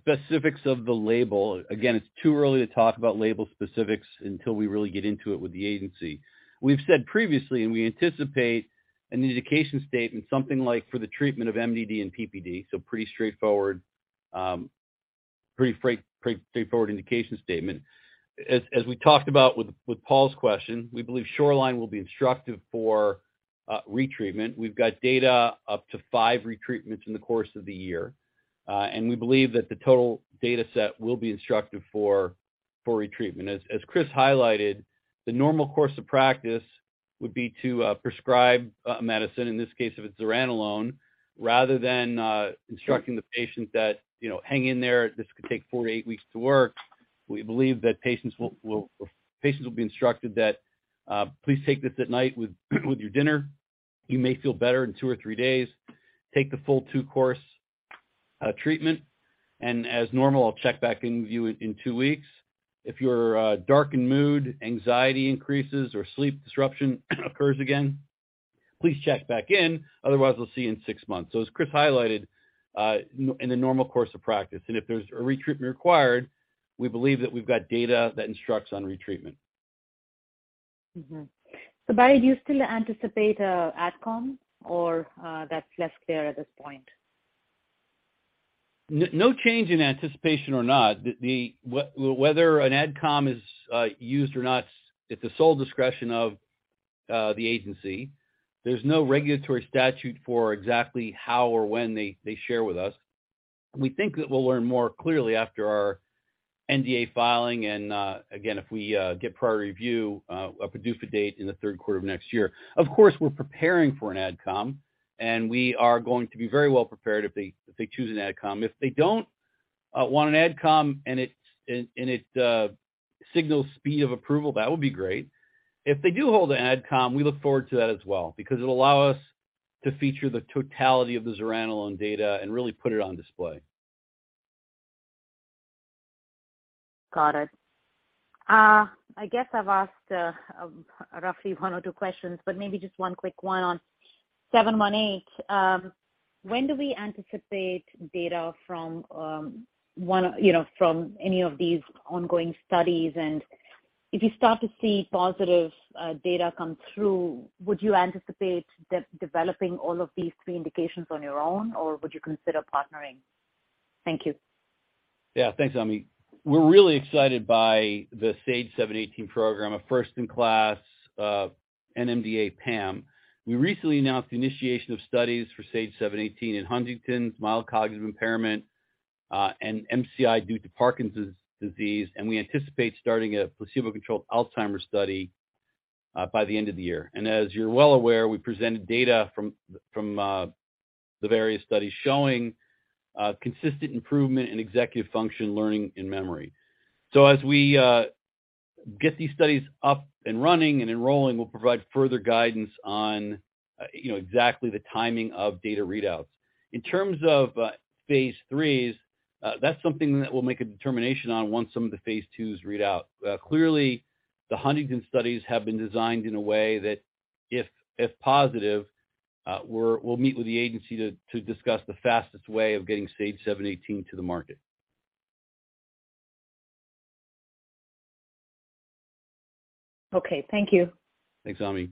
Speaker 3: specifics of the label, again, it's too early to talk about label specifics until we really get into it with the agency. We've said previously, and we anticipate an indication statement, something like for the treatment of MDD and PPD, so pretty straightforward indication statement. As we talked about with Paul's question, we believe Shoreline will be instructive for retreatment. We've got data up to five retreatments in the course of the year. We believe that the total data set will be instructive for retreatment. As Chris highlighted, the normal course of practice would be to prescribe medicine, in this case of a zuranolone, rather than instructing the patient that you know hang in there, this could take four to eight weeks to work. We believe that patients will be instructed that please take this at night with your dinner. You may feel better in two or three days. Take the full two-course treatment. As normal, I'll check back in with you in two weeks. If your darkened mood, anxiety increases, or sleep disruption occurs again, please check back in. Otherwise, we'll see you in six months. As Chris highlighted, in the normal course of practice, if there's a retreatment required, we believe that we've got data that instructs on retreatment.
Speaker 10: Barry, do you still anticipate Advisory Committee or that's less clear at this point?
Speaker 3: No change in anticipation or not. Whether an Advisory Committee is used or not, it's the sole discretion of the agency. There's no regulatory statute for exactly how or when they share with us. We think that we'll learn more clearly after our NDA filing and, again, if we get priority review, a PDUFA date in the third quarter of next year. Of course, we're preparing for an Advisory Committee, and we are going to be very well prepared if they choose an Advisory Committee. If they don't want an Advisory Committee and it signals speed of approval, that would be great. If they do hold an Advisory Committee, we look forward to that as well because it'll allow us to feature the totality of the zuranolone data and really put it on display.
Speaker 10: Got it. I guess I've asked roughly one or two questions, but maybe just one quick one on SAGE-718. When do we anticipate data from you know from any of these ongoing studies? If you start to see positive data come through, would you anticipate developing all of these three indications on your own, or would you consider partnering? Thank you.
Speaker 3: Yeah. Thanks, Ami. We're really excited by the SAGE-718 program, a first in class NMDA PAM. We recently announced the initiation of studies for SAGE-718 in Huntington's mild cognitive impairment and MCI due to Parkinson's disease, and we anticipate starting a placebo-controlled Alzheimer's study by the end of the year. As you're well aware, we presented data from the various studies showing consistent improvement in executive function learning and memory. As we get these studies up and running and enrolling, we'll provide further guidance on, you know, exactly the timing of data readouts. In terms of phase 3s, that's something that we'll make a determination on once some of the phase 2s read out. Clearly, the Huntington studies have been designed in a way that if positive, we'll meet with the agency to discuss the fastest way of getting SAGE-718 to the market.
Speaker 10: Okay. Thank you.
Speaker 3: Thanks, Ami.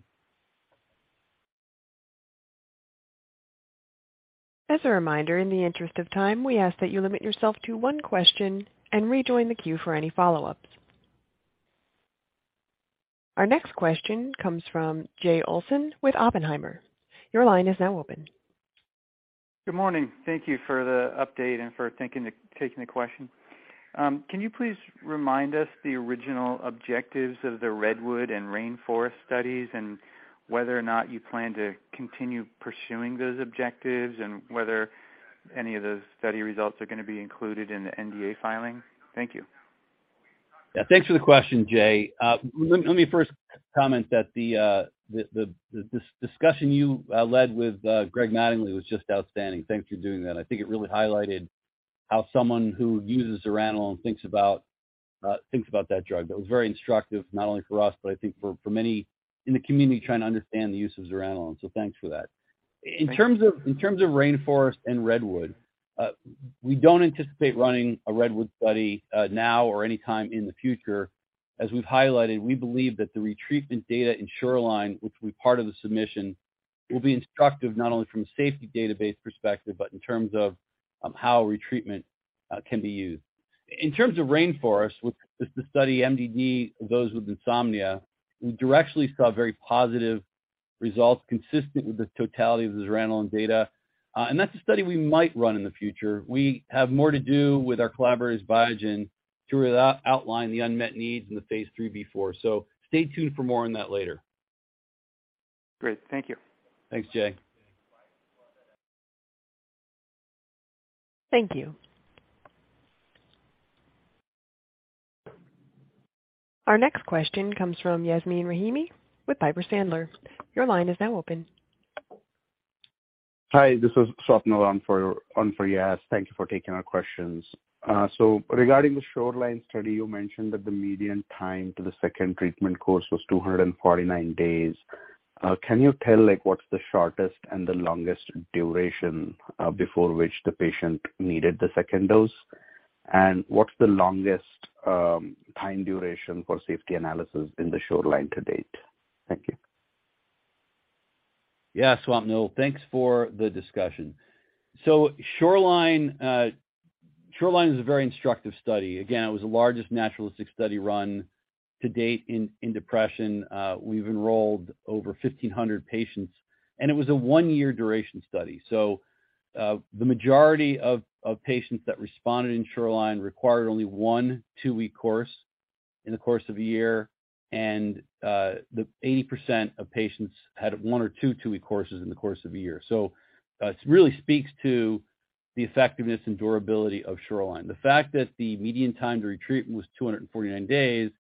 Speaker 1: As a reminder, in the interest of time, we ask that you limit yourself to one question and rejoin the queue for any follow-ups. Our next question comes from Jay Olson with Oppenheimer. Your line is now open.
Speaker 11: Good morning. Thank you for the update and for taking the question. Can you please remind us the original objectives of the REDWOOD and RAINFOREST studies and whether or not you plan to continue pursuing those objectives and whether any of those study results are gonna be included in the NDA filing? Thank you.
Speaker 3: Yeah. Thanks for the question, Jay. Let me first comment that the discussion you led with Greg Mattingly was just outstanding. Thanks for doing that. I think it really highlighted how someone who uses zuranolone thinks about that drug. That was very instructive, not only for us, but I think for many in the community trying to understand the use of zuranolone. Thanks for that.
Speaker 11: Thank you.
Speaker 3: In terms of RAINFOREST and REDWOOD, we don't anticipate running a REDWOOD study, now or any time in the future. As we've highlighted, we believe that the retreatment data in SHORELINE, which will be part of the submission, will be instructive not only from a safety database perspective, but in terms of how retreatment can be used. In terms of RAINFOREST, which is to study MDD, those with insomnia, we directly saw very positive results consistent with the totality of the zuranolone data. That's a study we might run in the future. We have more to do with our collaborators Biogen to outline the unmet needs in the phase 3b/4. Stay tuned for more on that later.
Speaker 11: Great. Thank you.
Speaker 3: Thanks, Jay.
Speaker 1: Thank you. Our next question comes from Yasmeen Rahimi with Piper Sandler. Your line is now open.
Speaker 12: Hi, this is Swapnil on for Yas. Thank you for taking our questions. Regarding the SHORELINE study, you mentioned that the median time to the second treatment course was 249 days. Can you tell, like, what's the shortest and the longest duration before which the patient needed the second dose? What's the longest time duration for safety analysis in the SHORELINE to date? Thank you.
Speaker 3: Yeah, Swapnil, thanks for the discussion. SHORELINE is a very instructive study. Again, it was the largest naturalistic study run to date in depression. We've enrolled over 1,500 patients, and it was a one-year duration study. The majority of patients that responded in SHORELINE required only one two-week course in the course of a year. 80% of patients had one or two two-week courses in the course of a year. It really speaks to the effectiveness and durability of SHORELINE. The fact that the median time to retreatment was 249 days,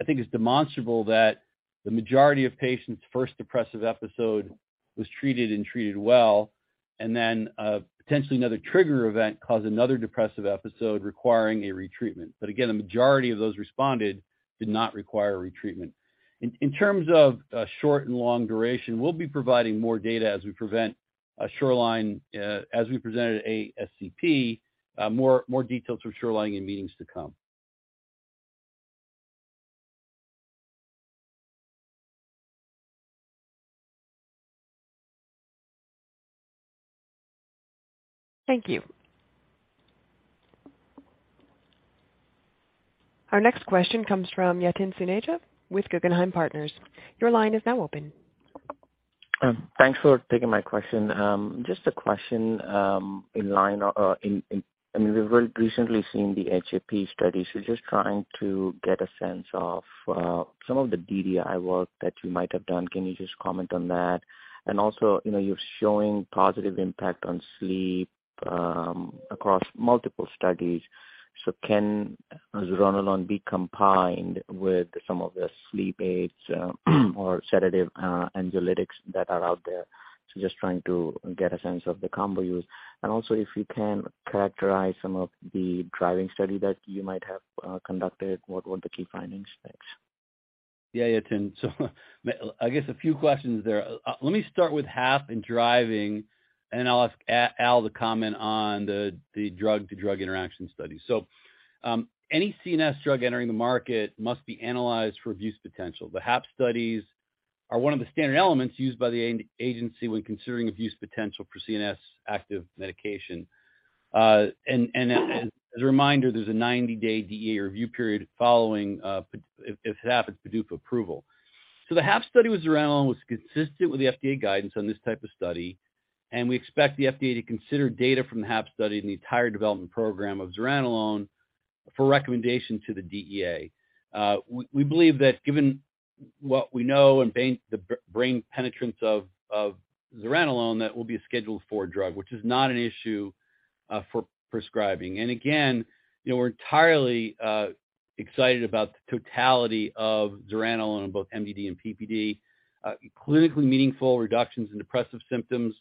Speaker 3: I think is demonstrable that the majority of patients first depressive episode was treated and treated well, and then potentially another trigger event caused another depressive episode requiring a retreatment. Again, a majority of those responders did not require retreatment. In terms of short and long duration, we'll be providing more data as we present SHORELINE, as we presented ASCP, more details from SHORELINE in meetings to come.
Speaker 1: Thank you. Our next question comes from Yatin Suneja with Guggenheim Partners. Your line is now open.
Speaker 13: Thanks for taking my question. Just a question, in line—I mean, we've recently seen the HAP studies. Just trying to get a sense of some of the DDI work that you might have done. Can you just comment on that? You know, you're showing positive impact on sleep across multiple studies. Can zuranolone be combined with some of the sleep aids or sedative anxiolytics that are out there? Just trying to get a sense of the combo use. If you can characterize some of the driving study that you might have conducted, what were the key findings? Thanks.
Speaker 3: Yeah, Yatin. I guess a few questions there. Let me start with HAP and driving, and then I'll ask Al to comment on the drug to drug interaction study. Any CNS drug entering the market must be analyzed for abuse potential. The HAP studies are one of the standard elements used by the agency when considering abuse potential for CNS active medication. As a reminder, there's a 90-day DEA review period following if HAP is approved for approval. The HAP study with zuranolone was consistent with the FDA guidance on this type of study, and we expect the FDA to consider data from the HAP study in the entire development program of zuranolone for recommendation to the DEA. We believe that given what we know about brain, the brain penetration of zuranolone, that will be a Schedule IV drug, which is not an issue for prescribing. Again, you know, we're entirely excited about the totality of zuranolone on both MDD and PPD. Clinically meaningful reductions in depressive symptoms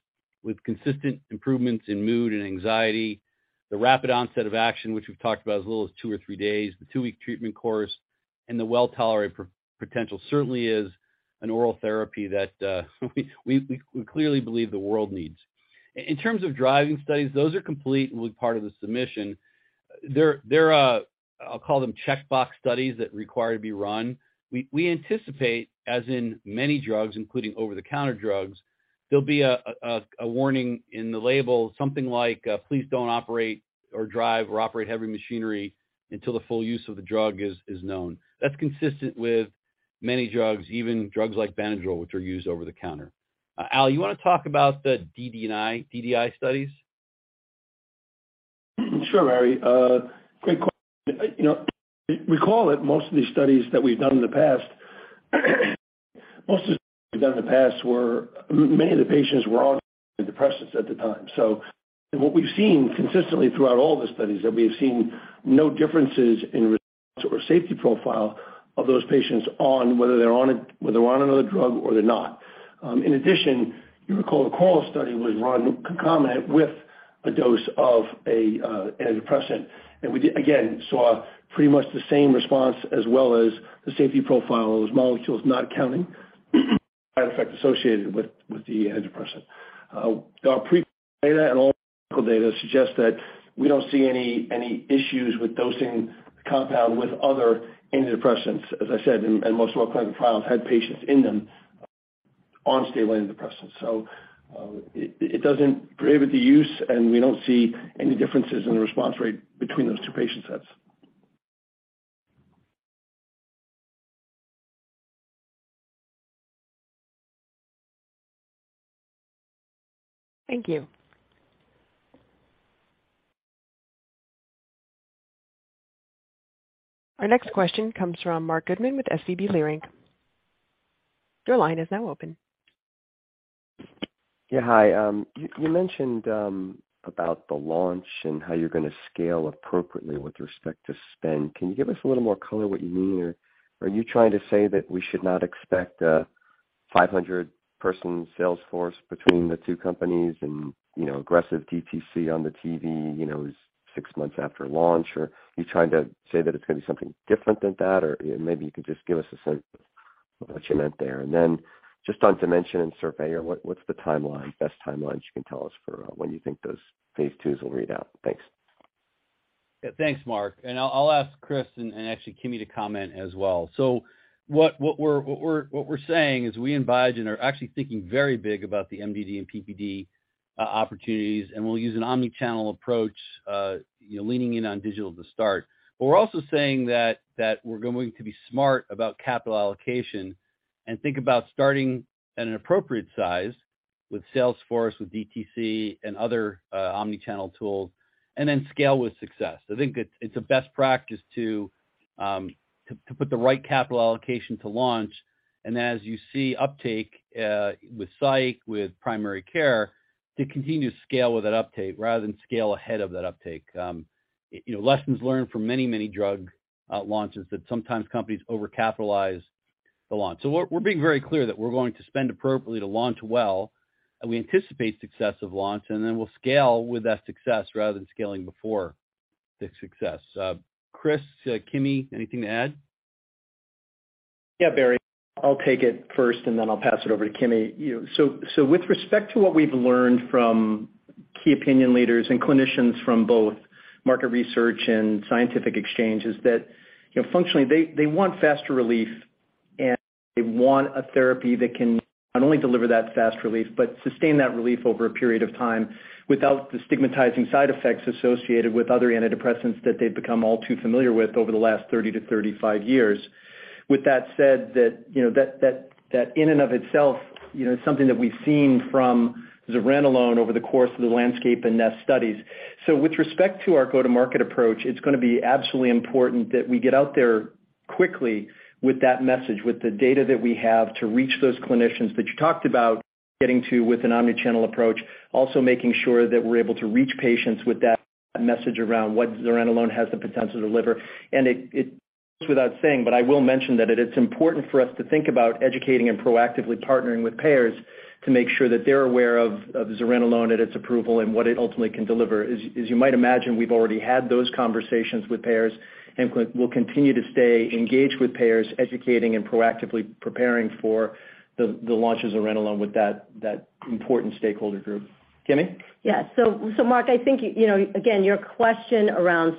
Speaker 3: with consistent improvements in mood and anxiety, the rapid onset of action, which we've talked about as little as two or three days, the two-week treatment course, and the well-tolerated potential certainly is an oral therapy that we clearly believe the world needs. In terms of driving studies, those are complete and will be part of the submission. They're, I'll call them checkbox studies that require to be run. We anticipate, as in many drugs, including over-the-counter drugs, there'll be a warning in the label, something like, please don't operate or drive or operate heavy machinery until the full use of the drug is known. That's consistent with many drugs, even drugs like Benadryl, which are used over the counter. Al, you wanna talk about the DDI studies?
Speaker 4: Sure, Barry. Great question. You know, recall that most of these studies that we've done in the past, most of them in the past were many of the patients were on antidepressants at the time. What we've seen consistently throughout all the studies that we have seen no differences in response or safety profile of those patients on whether they're on a whether they're on another drug or they're not. In addition, you recall the CORAL study was run concomitant with a dose of a antidepressant. We did again saw pretty much the same response as well as the safety profile of those molecules not counting side effects associated with the antidepressant. Our pre-clinical data and all clinical data suggest that we don't see any issues with dosing the compound with other antidepressants. As I said, most of our clinical trials had patients in them on stable antidepressants. It doesn't prohibit the use, and we don't see any differences in the response rate between those two patient sets.
Speaker 1: Thank you. Our next question comes from Marc Goodman with SVB Leerink. Your line is now open.
Speaker 14: Yeah, hi. You mentioned about the launch and how you're gonna scale appropriately with respect to spend. Can you give us a little more color what you mean? Are you trying to say that we should not expect a 500-person sales force between the two companies and, you know, aggressive DTC on the TV, you know, six months after launch? Are you trying to say that it's gonna be something different than that? Maybe you could just give us a sense of. What you meant there. Just on DIMENSION and SURVEYOR, what's the timeline, best timelines you can tell us for, when you think those phase 2s will read out? Thanks.
Speaker 3: Yeah. Thanks, Marc. I'll ask Chris and actually Kimi to comment as well. What we're saying is we in Biogen are actually thinking very big about the MDD and PPD opportunities, and we'll use an omni-channel approach, you know, leaning in on digital to start. We're also saying that we're going to be smart about capital allocation and think about starting at an appropriate size with sales force, with DTC and other omni-channel tools, and then scale with success. I think it's a best practice to put the right capital allocation to launch. As you see uptake with psych, with primary care, to continue to scale with that uptake rather than scale ahead of that uptake. You know, lessons learned from many, many drug launches that sometimes companies overcapitalized the launch. We're being very clear that we're going to spend appropriately to launch well, and we anticipate success of launch, and then we'll scale with that success rather than scaling before the success. Chris, Kimi, anything to add?
Speaker 5: Yeah, Barry, I'll take it first, and then I'll pass it over to Kimi. With respect to what we've learned from key opinion leaders and clinicians from both market research and scientific exchanges, that, you know, functionally they want faster relief, and they want a therapy that can not only deliver that fast relief but sustain that relief over a period of time without the stigmatizing side effects associated with other antidepressants that they've become all too familiar with over the last 30-35 years. With that said, you know, that in and of itself, you know, is something that we've seen from zuranolone over the course of the LANDSCAPE and NEST studies. With respect to our go-to-market approach, it's gonna be absolutely important that we get out there quickly with that message, with the data that we have to reach those clinicians that you talked about getting to with an omni-channel approach. Also making sure that we're able to reach patients with that message around what zuranolone has the potential to deliver. It goes without saying, but I will mention that it is important for us to think about educating and proactively partnering with payers to make sure that they're aware of zuranolone and its approval and what it ultimately can deliver. As you might imagine, we've already had those conversations with payers, and we'll continue to stay engaged with payers, educating and proactively preparing for the launch of zuranolone with that important stakeholder group. Kimi?
Speaker 6: Yeah. Marc, I think you know, again, your question around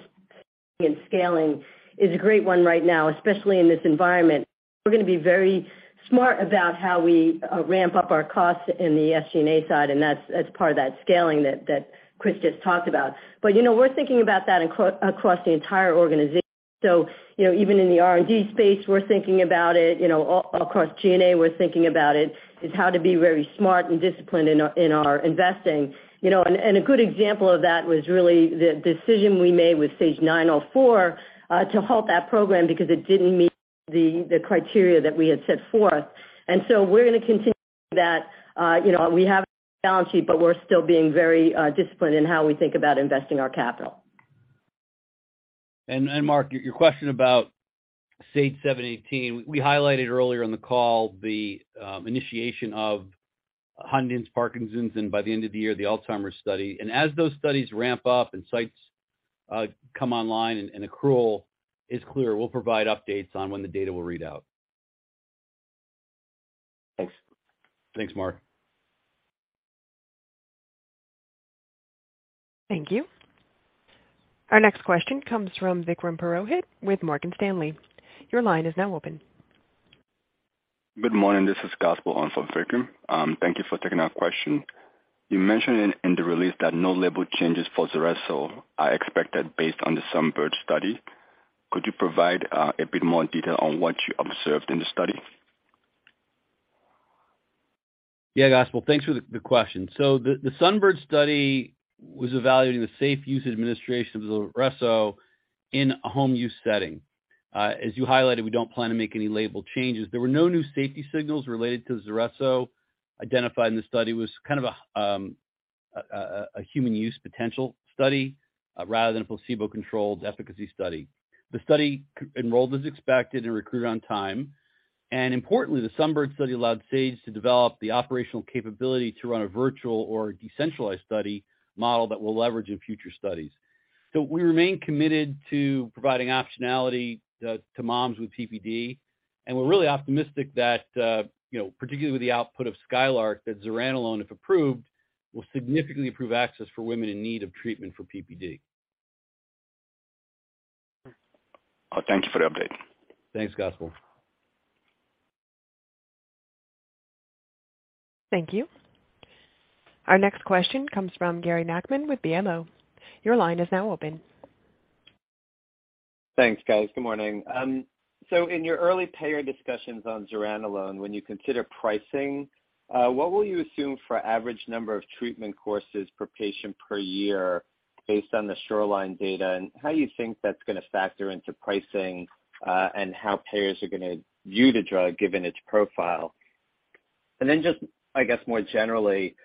Speaker 6: scaling is a great one right now, especially in this environment. We're gonna be very smart about how we ramp up our costs in the SG&A side, and that's part of that scaling that Chris just talked about. You know, we're thinking about that across the entire organization. You know, even in the R&D space, we're thinking about it across G&A, how to be very smart and disciplined in our investing. You know, and a good example of that was really the decision we made with SAGE-904 to halt that program because it didn't meet the criteria that we had set forth. We're gonna continue that. You know, we have a balance sheet, but we're still being very disciplined in how we think about investing our capital.
Speaker 3: Marc, your question about SAGE-718, we highlighted earlier in the call the initiation of Huntington's, Parkinson's, and by the end of the year, the Alzheimer's study. As those studies ramp up and sites come online and accrual is clear, we'll provide updates on when the data will read out.
Speaker 14: Thanks.
Speaker 3: Thanks, Marc.
Speaker 1: Thank you. Our next question comes from Vikram Purohit with Morgan Stanley. Your line is now open.
Speaker 15: Good morning. This is Gospel on for Vikram. Thank you for taking our question. You mentioned in the release that no label changes for Zulresso are expected based on the SUNBIRD study. Could you provide a bit more detail on what you observed in the study?
Speaker 3: Yeah, Gospel, thanks for the question. The SUNBIRD study was evaluating the safe use administration of Zulresso in a home use setting. As you highlighted, we don't plan to make any label changes. There were no new safety signals related to Zulresso identified in the study. It was kind of a human use potential study rather than a placebo-controlled efficacy study. The study enrolled as expected and recruited on time. Importantly, the SUNBIRD study allowed Sage to develop the operational capability to run a virtual or decentralized study model that we'll leverage in future studies. We remain committed to providing optionality to moms with PPD, and we're really optimistic that, you know, particularly with the output of SKYLARK, that zuranolone, if approved, will significantly improve access for women in need of treatment for PPD.
Speaker 15: Oh, thank you for the update.
Speaker 3: Thanks, Gospel.
Speaker 1: Thank you. Our next question comes from Gary Nachman with BMO. Your line is now open.
Speaker 16: Thanks, guys. Good morning. In your early payer discussions on zuranolone, when you consider pricing, what will you assume for average number of treatment courses per patient per year based on the Shoreline data, and how you think that's gonna factor into pricing, and how payers are gonna view the drug given its profile? Just, I guess, more generally,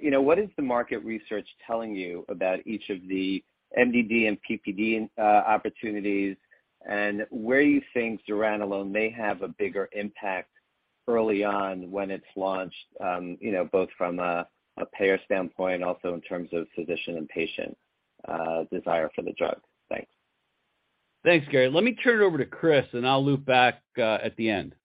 Speaker 16: you know, what is the market research telling you about each of the MDD and PPD opportunities, and where you think zuranolone may have a bigger impact early on when it's launched, you know, both from a payer standpoint, also in terms of physician and patient desire for the drug. Thanks.
Speaker 3: Thanks, Gary. Let me turn it over to Chris and I'll loop back at the end.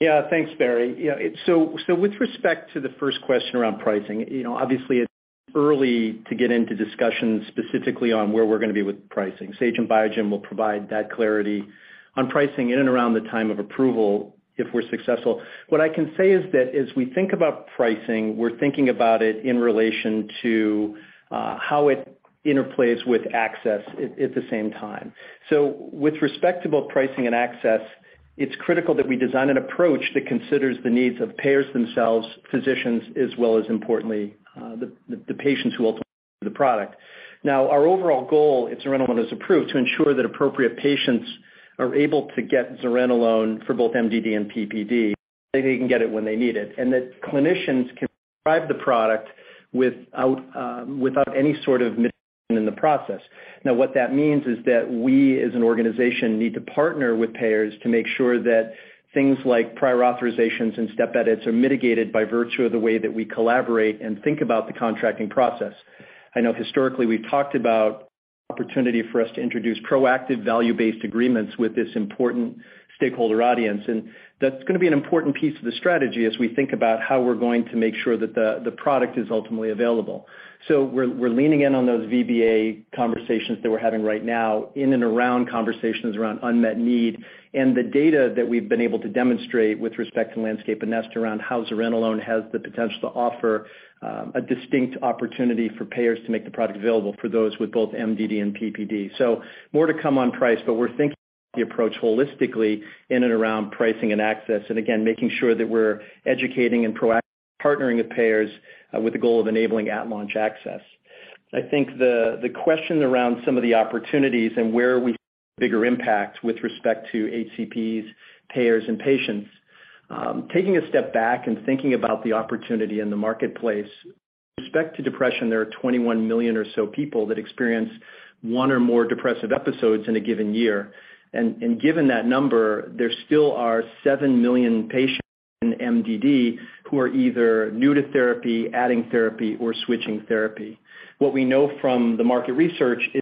Speaker 5: Yeah. Thanks, Barry. Yeah, so with respect to the first question around pricing, you know, obviously it's early to get into discussions specifically on where we're gonna be with pricing. Sage and Biogen will provide that clarity on pricing in and around the time of approval if we're successful. What I can say is that as we think about pricing, we're thinking about it in relation to how it interplays with access at the same time. With respect to both pricing and access, it's critical that we design an approach that considers the needs of payers themselves, physicians, as well as importantly the patients who ultimately use the product. Now, our overall goal, if Zulresso is approved, to ensure that appropriate patients are able to get Zulresso for both MDD and PPD, they can get it when they need it, and that clinicians can prescribe the product without any sort of in the process. Now, what that means is that we as an organization need to partner with payers to make sure that things like prior authorizations and step edits are mitigated by virtue of the way that we collaborate and think about the contracting process. I know historically we've talked about opportunity for us to introduce proactive value-based agreements with this important stakeholder audience, and that's gonna be an important piece of the strategy as we think about how we're going to make sure that the product is ultimately available. We're leaning in on those VBA conversations that we're having right now in and around conversations around unmet need and the data that we've been able to demonstrate with respect to LANDSCAPE and NEST around how Zulresso has the potential to offer a distinct opportunity for payers to make the product available for those with both MDD and PPD. More to come on price, but we're thinking the approach holistically in and around pricing and access, and again, making sure that we're educating and proactively partnering with payers with the goal of enabling at launch access. I think the question around some of the opportunities and where we bigger impact with respect to HCPs, payers and patients. Taking a step back and thinking about the opportunity in the marketplace. With respect to depression, there are 21 million or so people that experience one or more depressive episodes in a given year. Given that number, there still are seven million patients in MDD who are either new to therapy, adding therapy or switching therapy. What we know from the market research is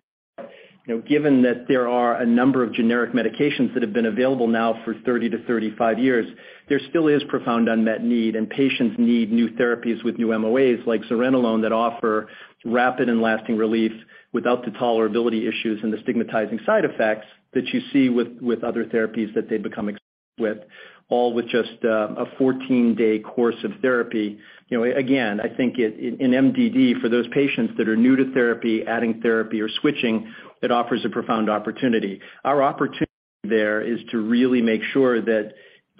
Speaker 5: that, you know, given that there are a number of generic medications that have been available now for 30-35 years, there still is profound unmet need, and patients need new therapies with new MOAs like Zulresso that offer rapid and lasting relief without the tolerability issues and the stigmatizing side effects that you see with other therapies that they become with all, with just a 14-day course of therapy. You know, again, I think it. In MDD, for those patients that are new to therapy, adding therapy or switching, it offers a profound opportunity. Our opportunity there is to really make sure that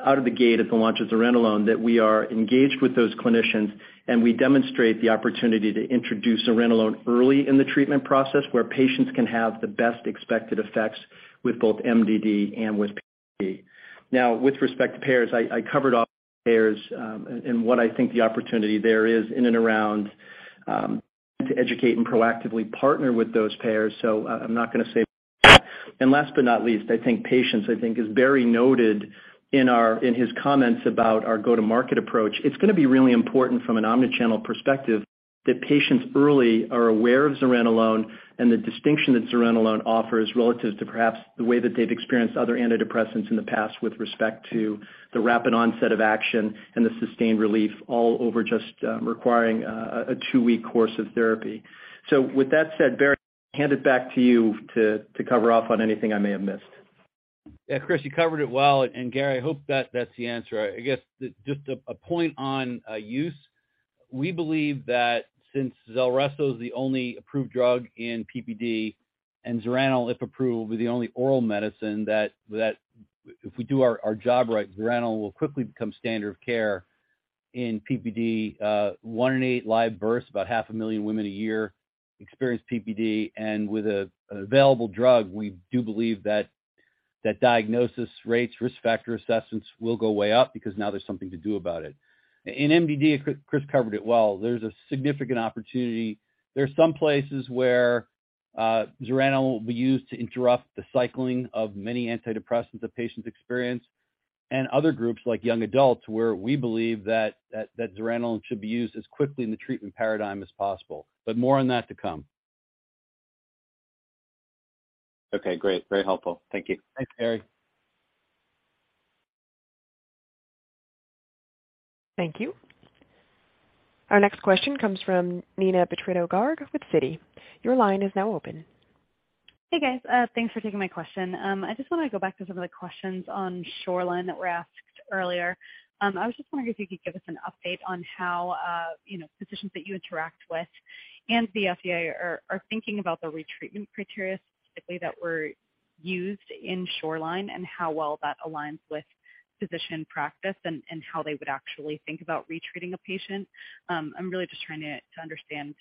Speaker 5: out of the gate at the launch of Zulresso that we are engaged with those clinicians and we demonstrate the opportunity to introduce Zulresso early in the treatment process where patients can have the best expected effects with both MDD and with PD. Now with respect to payers, I covered off payers, and what I think the opportunity there is in and around, to educate and proactively partner with those payers, so I'm not gonna say. Last but not least, I think patients is very noted in our in his comments about our go-to-market approach. It's gonna be really important from an omni-channel perspective that patients early are aware of Zulresso and the distinction that Zulresso offers relative to perhaps the way that they've experienced other antidepressants in the past with respect to the rapid onset of action and the sustained relief all over just requiring a two-week course of therapy. With that said, Barry, hand it back to you to cover off on anything I may have missed.
Speaker 3: Yeah, Chris, you covered it well. Gary, I hope that's the answer. I guess just a point on use. We believe that since Zulresso is the only approved drug in PPD and Zulresso, if approved, will be the only oral medicine that if we do our job right, Zulresso will quickly become standard of care in PPD. one in eight live births, about 500,000 women a year experience PPD. With an available drug, we do believe that diagnosis rates, risk factor assessments will go way up because now there's something to do about it. In MDD, Chris covered it well. There's a significant opportunity. There are some places where Zulresso will be used to interrupt the cycling of many antidepressants that patients experience and other groups like young adults, where we believe that Zulresso should be used as quickly in the treatment paradigm as possible. More on that to come.
Speaker 16: Okay, great. Very helpful. Thank you.
Speaker 3: Thanks, Gary.
Speaker 1: Thank you. Our next question comes from Neena Bitritto-Garg with Citi. Your line is now open.
Speaker 17: Hey, guys. Thanks for taking my question. I just wanna go back to some of the questions on Shoreline that were asked earlier. I was just wondering if you could give us an update on how, you know, physicians that you interact with and the FDA are thinking about the retreatment criteria specifically that were used in Shoreline and how well that aligns with physician practice and how they would actually think about retreating a patient. I'm really just trying to understand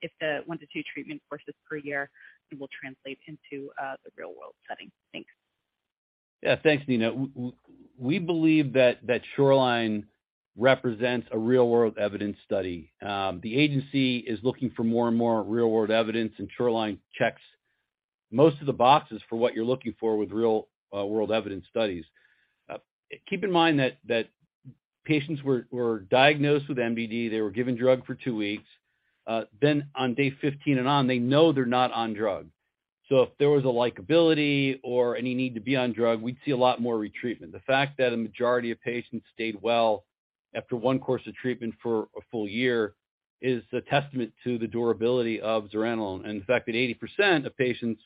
Speaker 17: if the one to two treatment courses per year will translate into the real world setting. Thanks.
Speaker 3: Yeah. Thanks, Neena. We believe that Shoreline represents a real world evidence study. The agency is looking for more and more real world evidence, and Shoreline checks most of the boxes for what you're looking for with real world evidence studies. Keep in mind that patients were diagnosed with MDD. They were given drug for two weeks. Then on day 15 and on, they know they're not on drug. So if there was a likelihood or any need to be on drug, we'd see a lot more retreatment. The fact that a majority of patients stayed well after one course of treatment for a full year is a testament to the durability of zuranolone. The fact that 80% of patients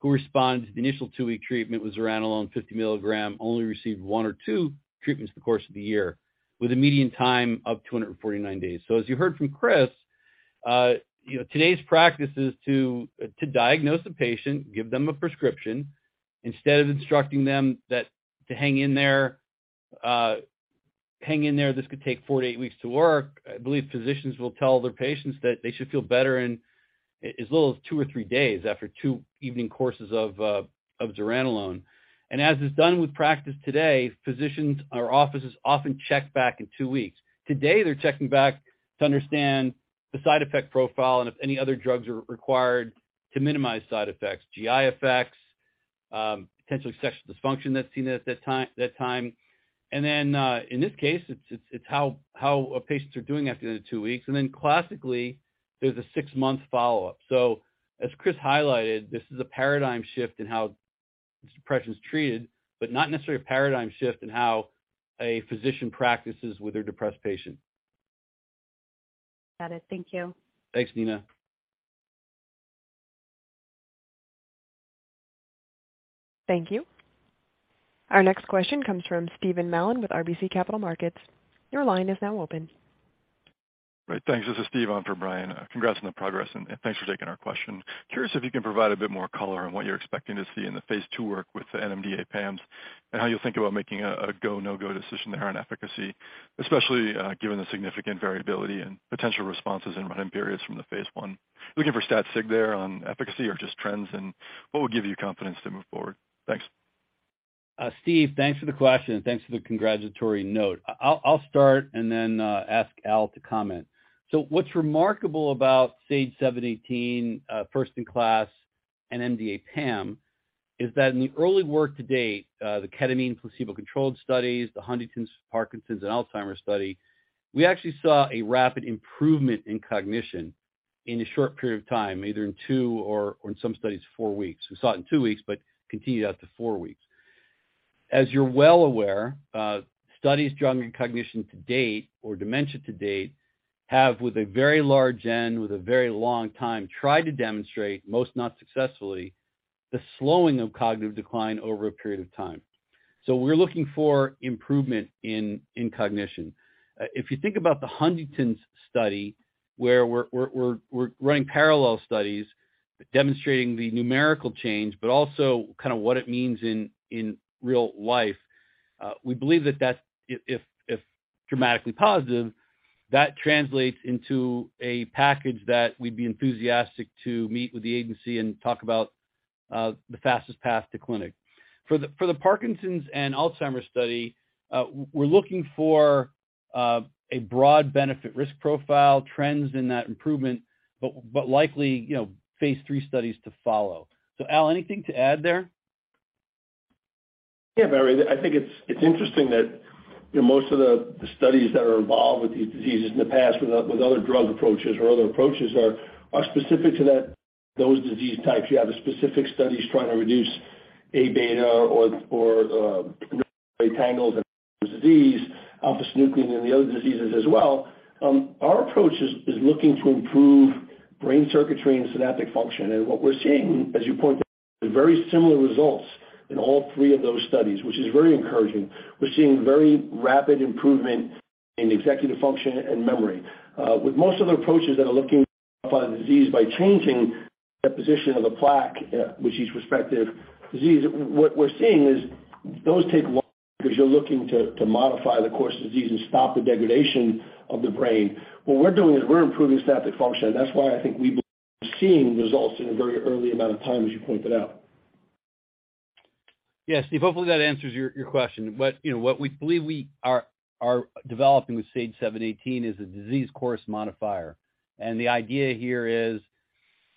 Speaker 3: who respond to the initial two-week treatment with zuranolone 50 mg only received one or two treatments in the course of the year with a median time of 249 days. As you heard from Chris, today's practice is to diagnose a patient, give them a prescription, instead of instructing them to hang in there, this could take four to eight weeks to work. I believe physicians will tell their patients that they should feel better in as little as two to three days after two evening courses of zuranolone. As is done with practice today, physicians or offices often check back in two weeks. Today, they're checking back to understand the side effect profile and if any other drugs are required to minimize side effects, GI effects, potential sexual dysfunction that's seen at that time. In this case, it's how patients are doing at the end of two weeks. Classically, there's a six-month follow-up. As Chris highlighted, this is a paradigm shift in how this depression is treated, but not necessarily a paradigm shift in how a physician practices with their depressed patient.
Speaker 17: Got it. Thank you.
Speaker 3: Thanks, Neena.
Speaker 1: Thank you. Our next question comes from Stephen Mallon with RBC Capital Markets. Your line is now open.
Speaker 18: Great. Thanks. This is Steve on for Stephen. Congrats on the progress, and thanks for taking our question. Curious if you can provide a bit more color on what you're expecting to see in the phase 2 work with the NMDA PAMs and how you think about making a go, no-go decision there on efficacy, especially given the significant variability and potential responses in run-in periods from the phase 1. Looking for stat sig there on efficacy or just trends and what will give you confidence to move forward. Thanks.
Speaker 3: Steve, thanks for the question, and thanks for the congratulatory note. I'll start and then ask Al to comment. What's remarkable about SAGE-718, first in class, NMDA PAM, is that in the early work to date, the ketamine placebo-controlled studies, the Huntington's, Parkinson's, and Alzheimer's study, we actually saw a rapid improvement in cognition in a short period of time, either in two or in some studies, four weeks. We saw it in two weeks, but continued out to four weeks. As you're well aware, studies in cognition to date or dementia to date have, with a very large N, with a very long time, tried to demonstrate, most not successfully, the slowing of cognitive decline over a period of time. We're looking for improvement in cognition. If you think about the Huntington's study, where we're running parallel studies demonstrating the numerical change, but also kind of what it means in real life, we believe that that's if dramatically positive, that translates into a package that we'd be enthusiastic to meet with the agency and talk about the fastest path to clinic. For the Parkinson's and Alzheimer's study, we're looking for a broad benefit risk profile trends in that improvement, but likely, you know, phase three studies to follow. Al, anything to add there?
Speaker 18: Yeah, Barry. I think it's interesting that, you know, most of the studies that are involved with these diseases in the past with other drug approaches or other approaches are specific to those disease types. You have the specific studies trying to reduce Aβ or tangles and disease, alpha-synuclein and the other diseases as well. Our approach is looking to improve brain circuitry and synaptic function. What we're seeing, as you pointed, very similar results in all three of those studies, which is very encouraging. We're seeing very rapid improvement in executive function and memory. With most of the approaches that are looking upon the disease by changing the composition of the plaque, which is Alzheimer's disease, what we're seeing is those take longer 'cause you're looking to modify the course of disease and stop the degradation of the brain. What we're doing is we're improving synaptic function. That's why I think we've been seeing results in a very early amount of time, as you pointed out.
Speaker 3: Yeah, Steve, hopefully that answers your question. You know, what we believe we are developing with SAGE-718 is a disease course modifier. The idea here is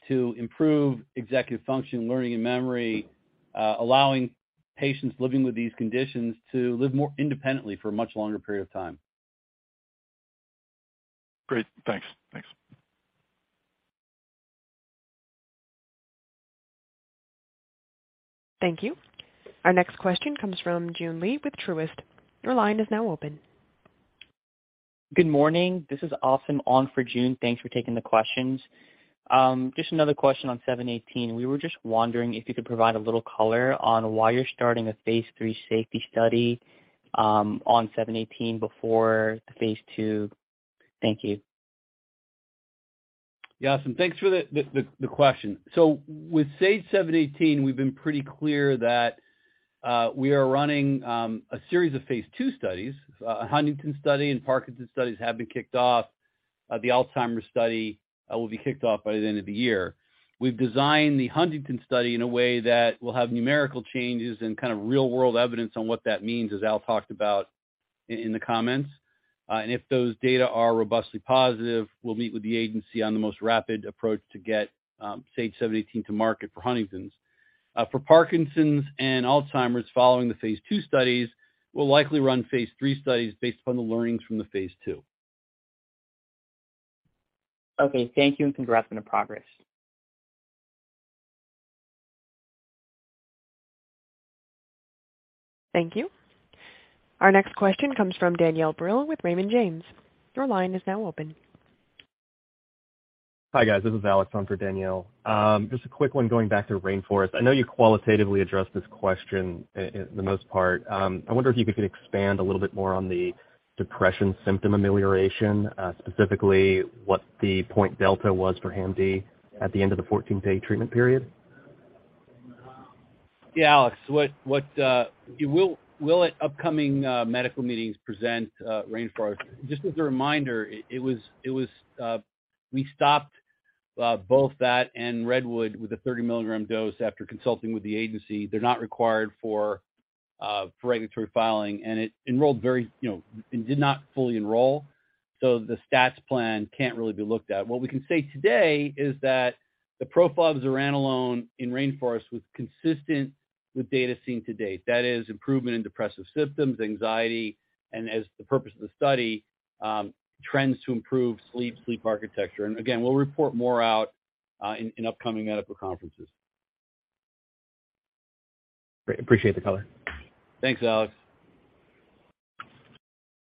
Speaker 3: to improve executive function, learning, and memory, allowing patients living with these conditions to live more independently for a much longer period of time.
Speaker 18: Great. Thanks. Thanks.
Speaker 1: Thank you. Our next question comes from Joon Lee with Truist. Your line is now open.
Speaker 19: Good morning. This is Austin on for Joon. Thanks for taking the questions. Just another question on SAGE-718. We were just wondering if you could provide a little color on why you're starting a phase 3 safety study on SAGE-718 before phase 2. Thank you.
Speaker 3: Yeah. Thanks for the question. With SAGE-718, we've been pretty clear that we are running a series of phase 2 studies. Huntington study and Parkinson's studies have been kicked off. The Alzheimer's study will be kicked off by the end of the year. We've designed the Huntington study in a way that will have numerical changes and kind of real-world evidence on what that means, as Al talked about. In the comments. If those data are robustly positive, we'll meet with the agency on the most rapid approach to get SAGE-718 to market for Huntington's. For Parkinson's and Alzheimer's, following the phase 2 studies, we'll likely run phase 3 studies based upon the learnings from the phase 2.
Speaker 19: Okay. Thank you, and congrats on the progress.
Speaker 1: Thank you. Our next question comes from Danielle Brill with Raymond James. Your line is now open.
Speaker 20: Hi, guys. This is Alex on for Danielle. Just a quick one going back to RAINFOREST. I know you qualitatively addressed this question in the most part. I wonder if you could expand a little bit more on the depression symptom amelioration, specifically what the point delta was for HAM-D at the end of the 14-day treatment period.
Speaker 3: Yeah, Alex, we'll present RAINFOREST at upcoming medical meetings. Just as a reminder, it was we stopped both that and REDWOOD with a 30 mg dose after consulting with the agency. They're not required for regulatory filing, and it enrolled very and did not fully enroll. So the stats plan can't really be looked at. What we can say today is that the profile of zuranolone in Rainforest was consistent with data seen to date. That is improvement in depressive symptoms, anxiety, and as the purpose of the study, trends to improve sleep architecture. We'll report more out in upcoming medical conferences.
Speaker 20: Great. Appreciate the color.
Speaker 3: Thanks, Alex.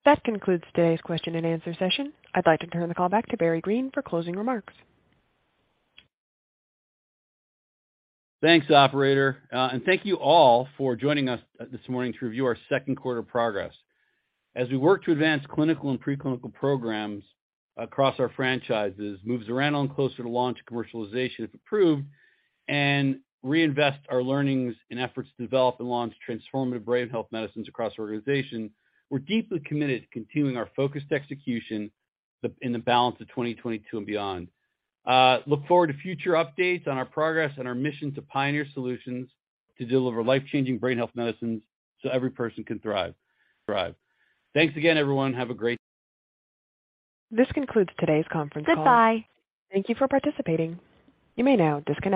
Speaker 1: That concludes today's question and answer session. I'd like to turn the call back to Barry Greene for closing remarks.
Speaker 3: Thanks, operator. Thank you all for joining us this morning to review our second quarter progress. As we work to advance clinical and preclinical programs across our franchises, move zuranolone closer to launch commercialization if approved, and reinvest our learnings and efforts to develop and launch transformative brain health medicines across our organization, we're deeply committed to continuing our focused execution in the balance of 2022 and beyond. Look forward to future updates on our progress and our mission to pioneer solutions to deliver life-changing brain health medicines so every person can thrive. Thanks again, everyone. Have a great
Speaker 1: This concludes today's conference call. Goodbye. Thank you for participating. You may now disconnect.